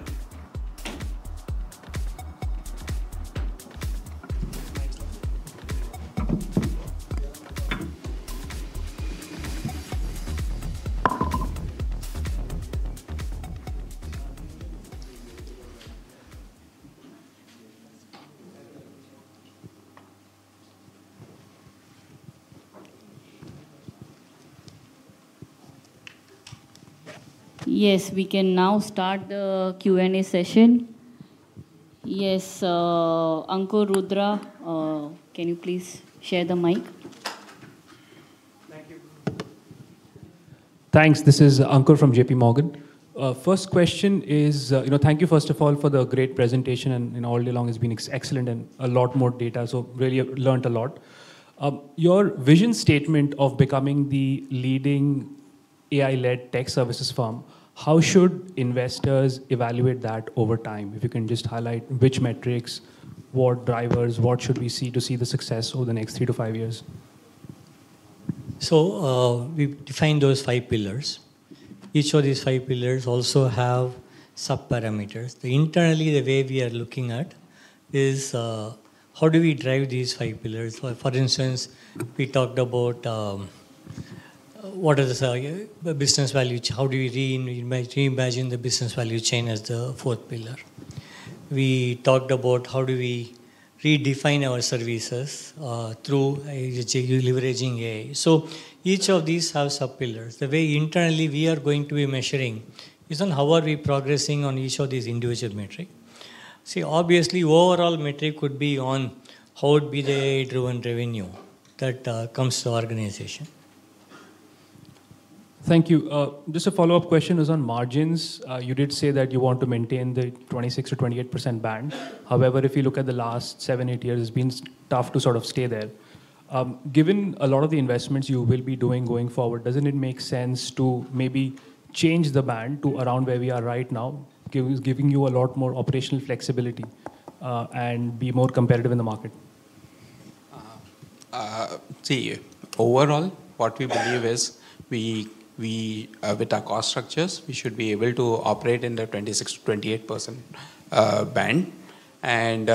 Yes, we can now start the Q&A session. Yes, Ankur Rudra, can you please share the mic? Thank you. Thanks. This is Ankur from JPMorgan. First question is, thank you first of all for the great presentation. And all day long has been excellent and a lot more data. So really learned a lot. Your vision statement of becoming the leading AI-led tech services firm, how should investors evaluate that over time? If you can just highlight which metrics, what drivers, what should we see to see the success over the next three to five years? So we've defined those five pillars. Each of these five pillars also have sub-parameters. Internally, the way we are looking at is how do we drive these five pillars? For instance, we talked about what are the business value, how do we reimagine the business value chain as the fourth pillar. We talked about how do we redefine our services through leveraging AI. So each of these have sub-pillars. The way internally we are going to be measuring is on how are we progressing on each of these individual metrics. See, obviously, overall metric would be on how would be the AI-driven revenue that comes to organization. Thank you. Just a follow-up question is on margins. You did say that you want to maintain the 26%-28% band. However, if you look at the last seven, eight years, it's been tough to sort of stay there. Given a lot of the investments you will be doing going forward, doesn't it make sense to maybe change the band to around where we are right now, giving you a lot more operational flexibility and be more competitive in the market? See, overall, what we believe is with our cost structures, we should be able to operate in the 26%-28% band. And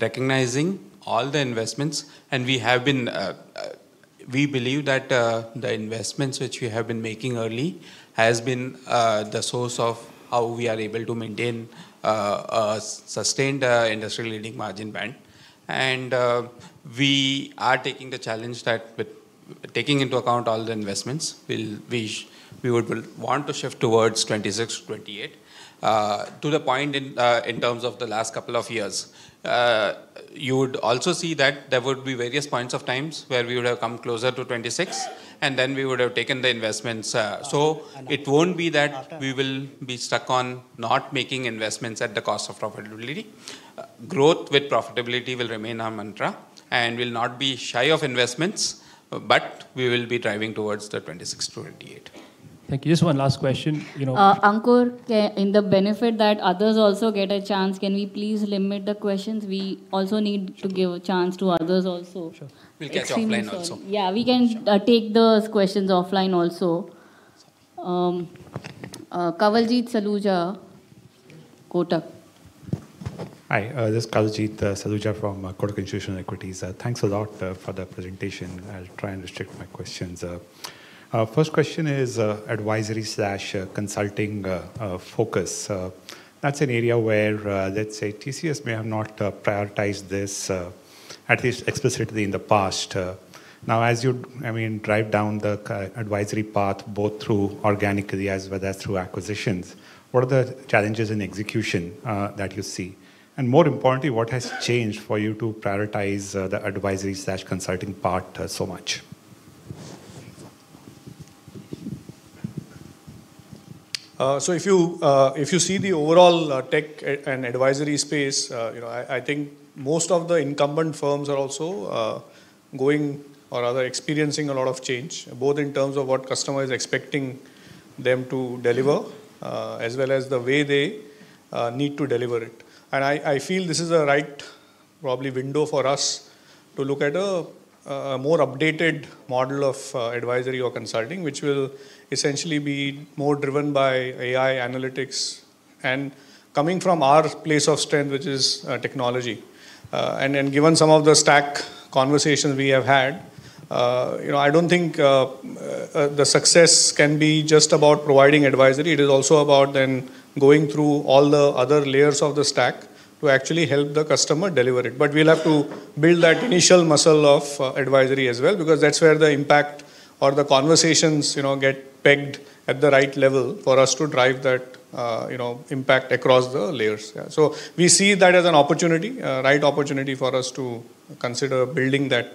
recognizing all the investments, and we have been. We believe that the investments which we have been making early has been the source of how we are able to maintain sustained industry-leading margin band. And we are taking the challenge that, taking into account all the investments, we would want to shift towards 26%-28%. To the point in terms of the last couple of years, you would also see that there would be various points in time where we would have come closer to 26%, and then we would have taken the investments. So it won't be that we will be stuck on not making investments at the cost of profitability. Growth with profitability will remain our mantra. And we'll not be shy of investments, but we will be driving towards the 26%-28%. Thank you. Just one last question. Ankur, in the interest that others also get a chance, can we please limit the questions? We also need to give a chance to others also. Sure. We'll catch offline also. Yeah, we can take those questions offline also. Hi, this is Kawaljeet Saluja from Kotak Institutional Equities. Thanks a lot for the presentation. I'll try and restrict my questions. First question is advisory/consulting focus. That's an area where, let's say, TCS may have not prioritized this, at least explicitly in the past. Now, as you drive down the advisory path, both through organically as well as through acquisitions, what are the challenges in execution that you see? And more importantly, what has changed for you to prioritize the advisory/consulting part so much? So if you see the overall tech and advisory space, I think most of the incumbent firms are also going or are experiencing a lot of change, both in terms of what customer is expecting them to deliver as well as the way they need to deliver it. I feel this is the right probably window for us to look at a more updated model of advisory or consulting, which will essentially be more driven by AI analytics. Coming from our place of strength, which is technology. Given some of the stack conversations we have had, I don't think the success can be just about providing advisory. It is also about then going through all the other layers of the stack to actually help the customer deliver it. We'll have to build that initial muscle of advisory as well because that's where the impact or the conversations get pegged at the right level for us to drive that impact across the layers. We see that as an opportunity, right opportunity for us to consider building that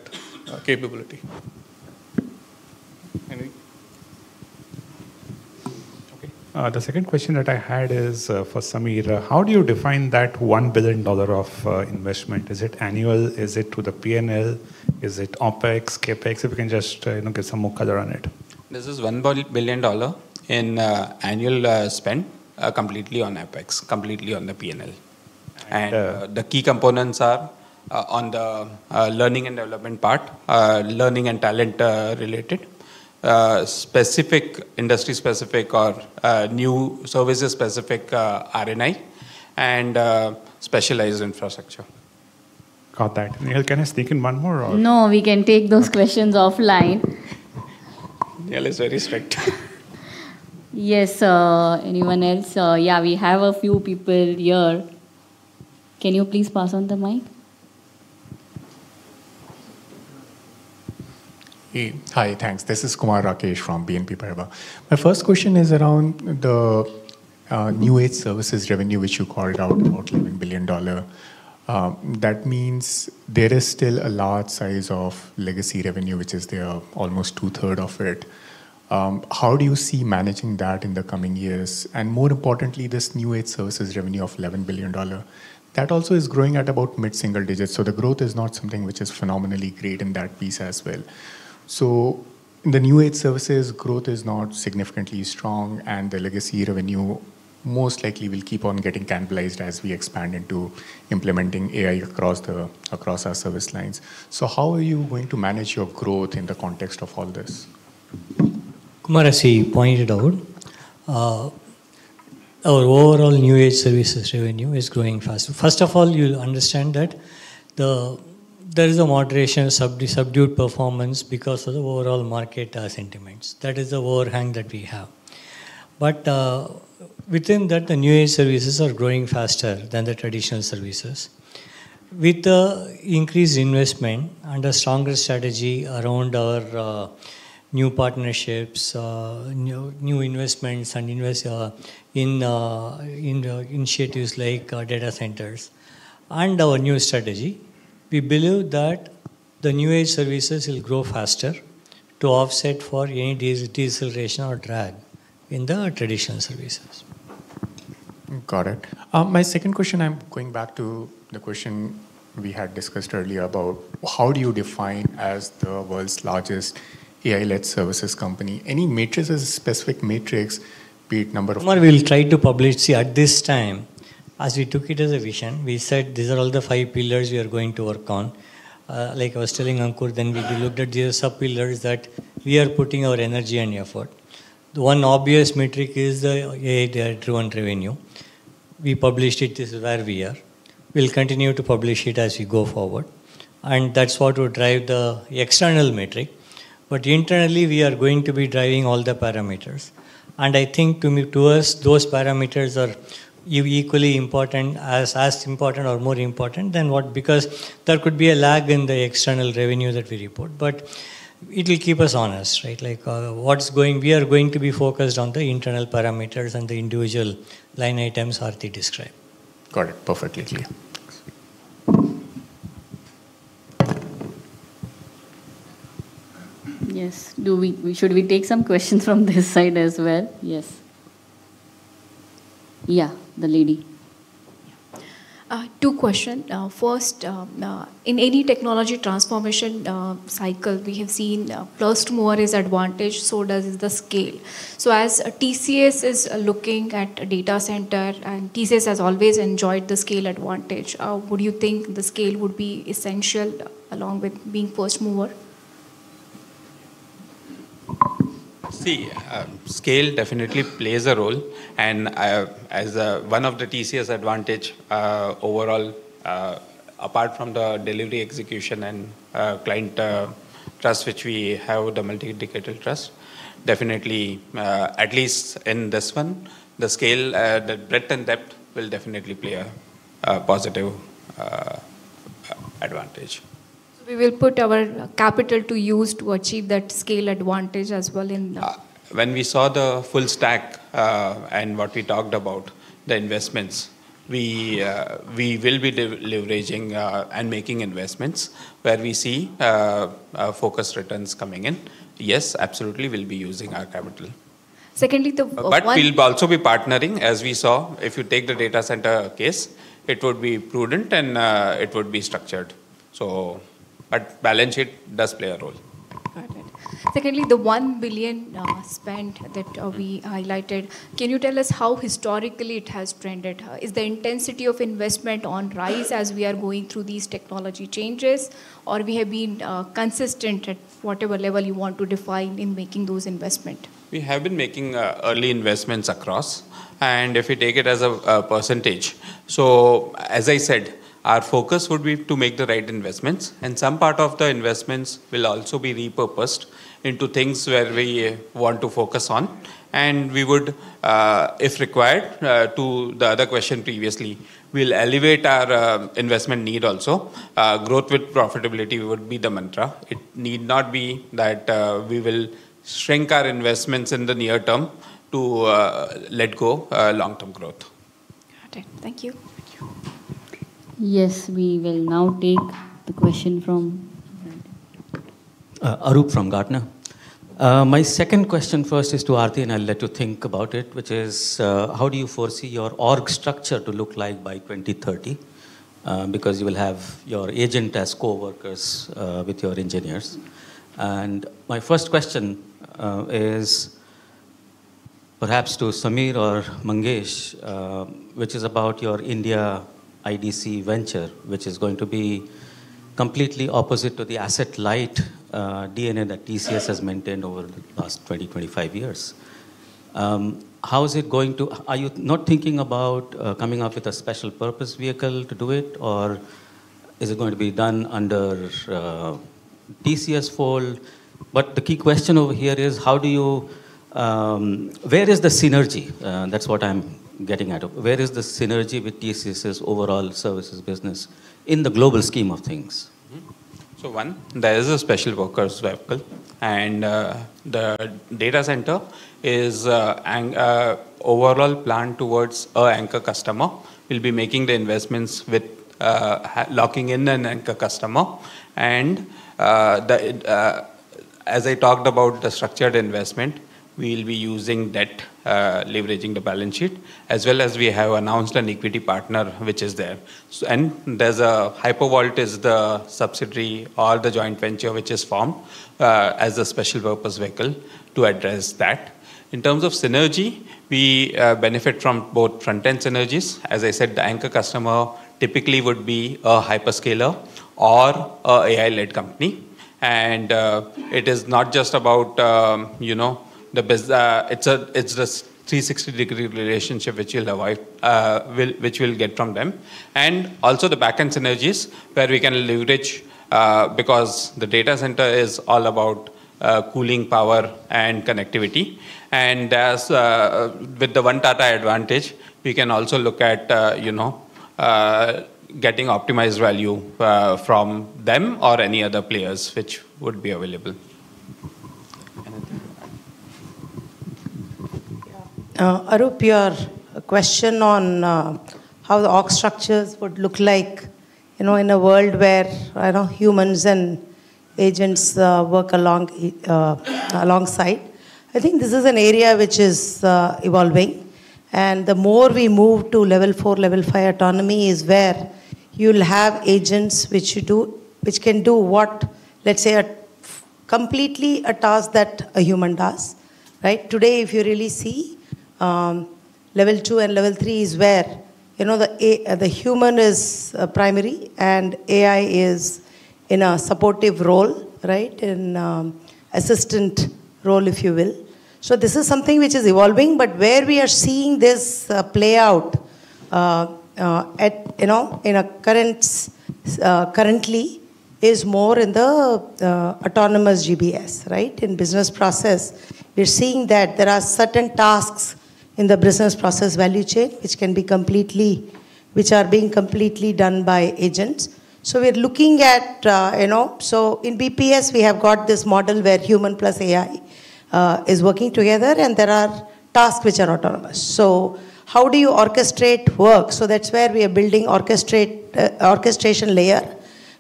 capability. The second question that I had is for Samir. How do you define that $1 billion of investment? Is it annual? Is it to the P&L? Is it OpEx, CapEx? If you can just get some more color on it. This is $1 billion in annual spend completely on OpEx, completely on the P&L. And the key components are on the learning and development part, learning and talent related, specific industry specific or new services specific R&I, and specialized infrastructure. Got that. Nehal, can I sneak in one more? No, we can take those questions offline. Nehal is very strict. Yes, anyone else? Yeah, we have a few people here. Can you please pass on the mic? Hi, thanks. This is Kumar Rakesh from BNP Paribas. My first question is around the new age services revenue, which you called out about $11 billion. That means there is still a large size of legacy revenue, which is there almost two-thirds of it. How do you see managing that in the coming years? And more importantly, this new age services revenue of $11 billion, that also is growing at about mid-single digits. So the growth is not something which is phenomenally great in that piece as well. So the new age services growth is not significantly strong, and the legacy revenue most likely will keep on getting cannibalized as we expand into implementing AI across our service lines. So how are you going to manage your growth in the context of all this? Kumar, as he pointed out, our overall new age services revenue is growing faster. First of all, you'll understand that there is a moderation of subdued performance because of the overall market sentiments. That is the overhang that we have. But within that, the new age services are growing faster than the traditional services. With the increased investment and a stronger strategy around our new partnerships, new investments, and invest in initiatives like data centers and our new strategy, we believe that the new age services will grow faster to offset for any deceleration or drag in the traditional services. Got it. My second question, I'm going back to the question we had discussed earlier about how do you define as the world's largest AI-led services company? Any metrics as a specific metric, be it number of customers, we'll try to publish. See, at this time, as we took it as a vision, we said these are all the five pillars we are going to work on. Like I was telling Ankur, then we looked at these sub-pillars that we are putting our energy and effort. One obvious metric is the AI-driven revenue. We published it. This is where we are. We'll continue to publish it as we go forward. And that's what will drive the external metric. But internally, we are going to be driving all the parameters. And I think to us, those parameters are equally important as important or more important than what because there could be a lag in the external revenue that we report. But it will keep us honest, right? Like what's going we are going to be focused on the internal parameters and the individual line items as they describe. Got it. Perfectly clear. Yes. Should we take some questions from this side as well? Yes. Yeah, the lady. Two questions. First, in any technology transformation cycle, we have seen first-mover's advantage, so does the scale. So as TCS is looking at data center, and TCS has always enjoyed the scale advantage, would you think the scale would be essential along with being first mover? See, scale definitely plays a role. And as one of the TCS advantage, overall, apart from the delivery execution and client trust, which we have the multi-indicator trust, definitely, at least in this one, the scale, the breadth and depth will definitely play a positive advantage. So we will put our capital to use to achieve that scale advantage as well in the when we saw the full stack and what we talked about, the investments, we will be leveraging and making investments where we see focused returns coming in. Yes, absolutely, we'll be using our capital. Secondly, but we'll also be partnering, as we saw. If you take the data center case, it would be prudent and it would be structured. So, but balance sheet does play a role. Got it. Secondly, the $1 billion spend that we highlighted, can you tell us how historically it has trended? Is the intensity of investment on the rise as we are going through these technology changes, or, we have been consistent at whatever level you want to define in making those investments? We have been making early investments across, and if you take it as a percentage, so as I said, our focus would be to make the right investments, and some part of the investments will also be repurposed into things where we want to focus on, and we would, if required, to the other question previously, we'll elevate our investment need also. Growth with profitability would be the mantra. It need not be that we will shrink our investments in the near term to let go long-term growth. Got it. Thank you. Thank you. Yes, we will now take the question from Arup from Gartner. My second question first is to Aarthi, and I'll let you think about it, which is how do you foresee your org structure to look like by 2030? Because you will have your agent as coworkers with your engineers. And my first question is perhaps to Samir or Mangesh, which is about your India IDC venture, which is going to be completely opposite to the asset light DNA that TCS has maintained over the last 20-25 years. How is it going to be done? Are you not thinking about coming up with a special purpose vehicle to do it, or is it going to be done under TCS's fold? But the key question over here is how do you see where is the synergy? That's what I'm getting at. Where is the synergy with TCS's overall services business in the global scheme of things? So, one, there is a special purpose vehicle. And the data center is overall planned towards an anchor customer. We'll be making the investments with locking in an anchor customer. And as I talked about the structured investment, we'll be using debt, leveraging the balance sheet, as well as we have announced an equity partner, which is there. And there's a Cyber Vault; it is the subsidiary or the joint venture, which is formed as a special purpose vehicle to address that. In terms of synergy, we benefit from both front-end synergies. As I said, the anchor customer typically would be a hyperscaler or an AI-led company. And it is not just about the; it's a 360-degree relationship which you'll get from them. And also the back-end synergies where we can leverage because the data center is all about cooling power and connectivity. And with the One Tata advantage, we can also look at getting optimized value from them or any other players which would be available. Arup, your question on how the org structures would look like in a world where humans and agents work alongside. I think this is an area which is evolving. And the more we move to Level 4, Level 5 autonomy is where you'll have agents which can do what, let's say, completely a task that a human does. Today, if you really see, Level 2 and Level 3 is where the human is primary and AI is in a supportive role, right? An assistant role, if you will. So this is something which is evolving. But where we are seeing this play out in actuality is more in the autonomous GBS, right? In business process, we're seeing that there are certain tasks in the business process value chain which are being completely done by agents. So in BPS, we have got this model where human plus AI is working together, and there are tasks which are autonomous. So how do you orchestrate work? That's where we are building orchestration layer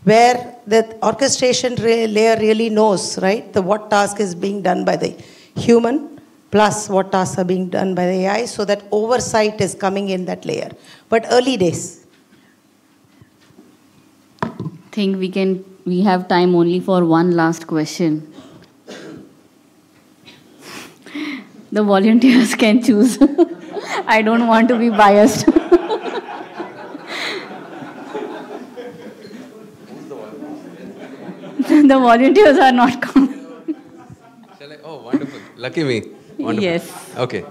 where the orchestration layer really knows what task is being done by the human plus what tasks are being done by the AI so that oversight is coming in that layer. But early days. I think we have time only for one last question. The volunteers can choose. I don't want to be biased. The volunteers are not coming. Oh, wonderful. Lucky me. Wonderful. Yes. Okay.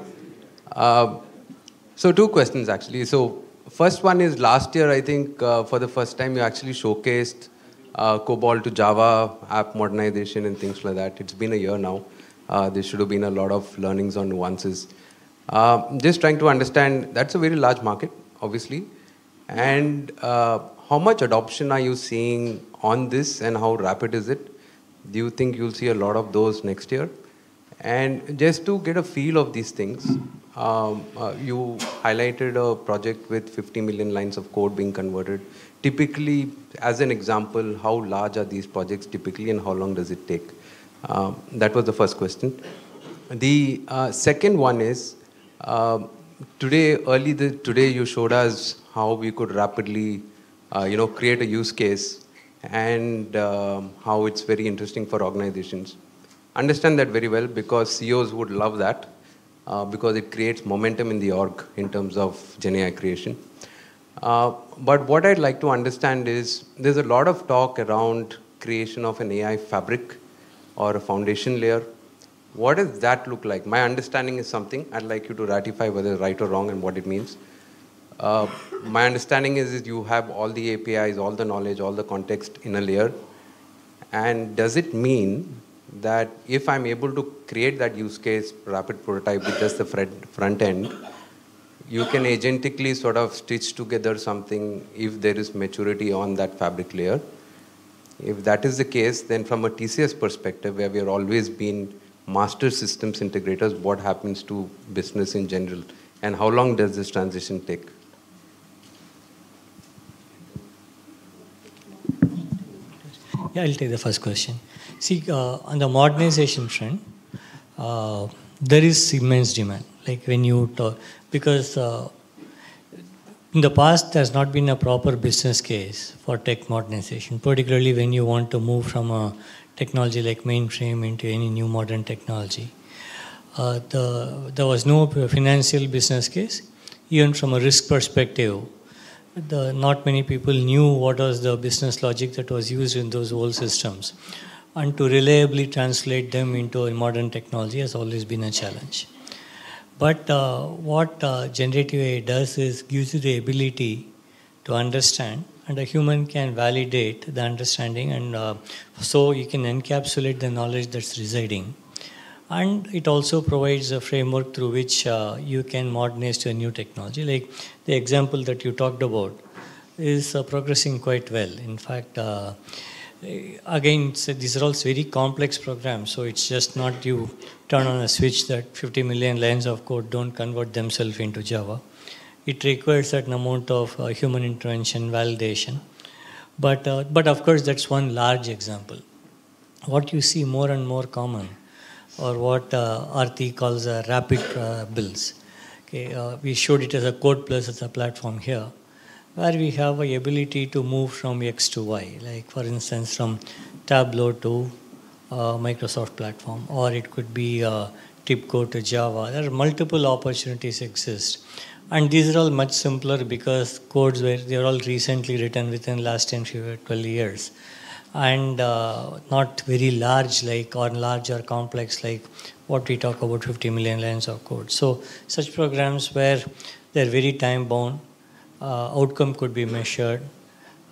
So two questions, actually. So first one is last year, I think for the first time, you actually showcased COBOL to Java app modernization and things like that. It's been a year now. There should have been a lot of learnings on this. Just trying to understand, that's a very large market, obviously. And how much adoption are you seeing on this and how rapid is it? Do you think you'll see a lot of those next year? And just to get a feel of these things, you highlighted a project with 50 million lines of code being converted. Typically, as an example, how large are these projects typically and how long does it take? That was the first question. The second one is today, early today, you showed us how we could rapidly create a use case and how it's very interesting for organizations. Understand that very well because CEOs would love that because it creates momentum in the org in terms of GenAI creation. But what I'd like to understand is there's a lot of talk around creation of an AI fabric or a foundation layer. What does that look like? My understanding is something I'd like you to ratify whether right or wrong and what it means. My understanding is you have all the APIs, all the knowledge, all the context in a layer. And does it mean that if I'm able to create that use case, rapid prototype with just the front end, you can agentically sort of stitch together something if there is maturity on that fabric layer? If that is the case, then from a TCS perspective, where we have always been master systems integrators, what happens to business in general? And how long does this transition take? Yeah, I'll take the first question. See, on the modernization trend, there is immense demand. Like when you talk because in the past, there's not been a proper business case for tech modernization, particularly when you want to move from a technology like mainframe into any new modern technology. There was no financial business case. Even from a risk perspective, not many people knew what was the business logic that was used in those old systems, and to reliably translate them into a modern technology has always been a challenge, but what generative AI does is gives you the ability to understand, and a human can validate the understanding, and so you can encapsulate the knowledge that's residing, and it also provides a framework through which you can modernize to a new technology. Like the example that you talked about is progressing quite well. In fact, again, these are all very complex programs, so it's just not you turn on a switch that 50 million lines of code don't convert themselves into Java. It requires an amount of human intervention validation, but of course, that's one large example. What you see more and more common or what Aarthi calls Rapid Builds, we showed it as a CodePlus as a platform here where we have the ability to move from X to Y, like for instance, from Tableau to Microsoft platform, or it could be a TIBCO to Java. There are multiple opportunities that exist. And these are all much simpler because codes where they're all recently written within the last 10, 12 years, and not very large or large or complex like what we talk about, 50 million lines of code. So such programs where they're very time-bound, outcome could be measured.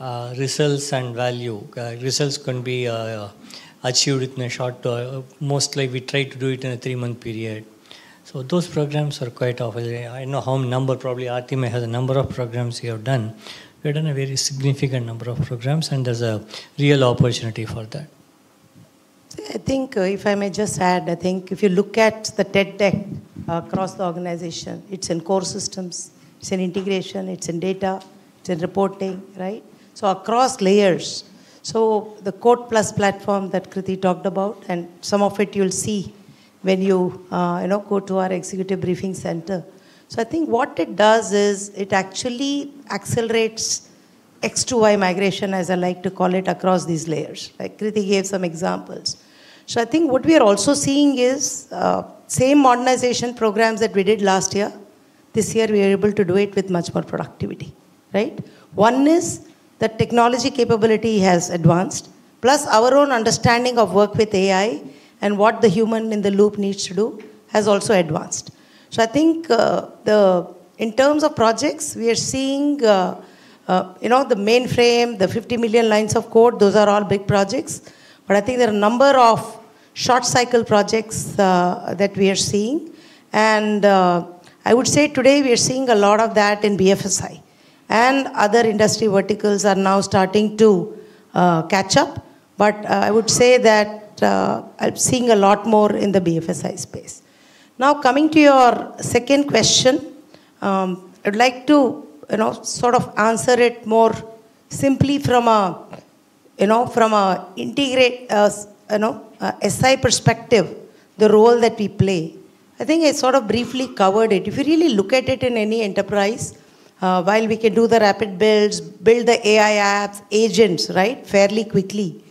Results and value, results can be achieved within a short term. Mostly, we try to do it in a three-month period. So those programs are quite offered. I know the number, probably Aarthi may have the number of programs you have done. We've done a very significant number of programs, and there's a real opportunity for that. I think if I may just add, I think if you look at the tech debt across the organization, it's in core systems. It's in integration. It's in data. It's in reporting, right? So across layers. So the code plus platform that Krithi talked about, and some of it you'll see when you go to our executive briefing center. So I think what it does is it actually accelerates X2Y migration, as I like to call it, across these layers. Krithi gave some examples. So I think what we are also seeing is same modernization programs that we did last year. This year, we are able to do it with much more productivity, right? One is the technology capability has advanced, plus our own understanding of work with AI and what the human in the loop needs to do has also advanced. So I think in terms of projects, we are seeing the mainframe, the 50 million lines of code, those are all big projects. But I think there are a number of short-cycle projects that we are seeing. And I would say today we are seeing a lot of that in BFSI. And other industry verticals are now starting to catch up. But I would say that I'm seeing a lot more in the BFSI space. Now, coming to your second question, I'd like to sort of answer it more simply from an integrated SI perspective, the role that we play. I think I sort of briefly covered it. If you really look at it in any enterprise, while we can do the rapid builds, build the AI apps, agents, right, fairly quickly,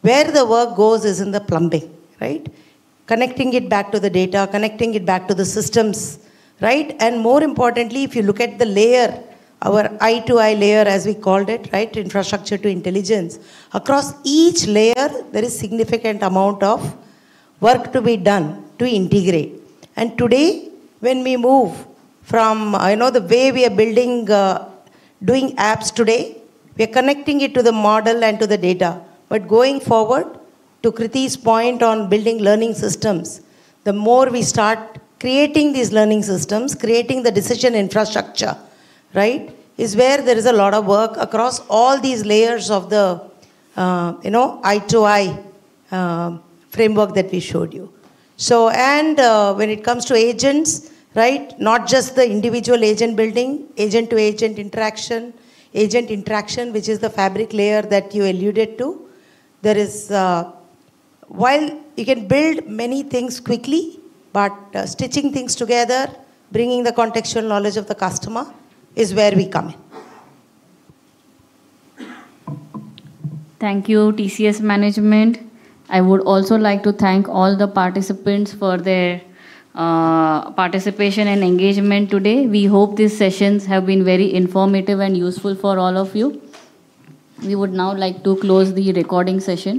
where the work goes is in the plumbing, right? Connecting it back to the data, connecting it back to the systems, right? And more importantly, if you look at the layer, our I2I layer, as we called it, right, infrastructure to intelligence, across each layer, there is a significant amount of work to be done to integrate, and today, when we move from the way we are doing apps today, we are connecting it to the model and to the data, but going forward, to Krithi's point on building learning systems, the more we start creating these learning systems, creating the decision infrastructure, right, is where there is a lot of work across all these layers of the I2I framework that we showed you. And when it comes to agents, right? Not just the individual agent building, agent-to-agent interaction, agent interaction, which is the fabric layer that you alluded to. There is, while you can build many things quickly, but stitching things together, bringing the contextual knowledge of the customer is where we come in. Thank you, TCS management. I would also like to all the participants for their participation and engagement today. We hope these sessions have been very informative and useful for all of you. We would now like to close the recording session.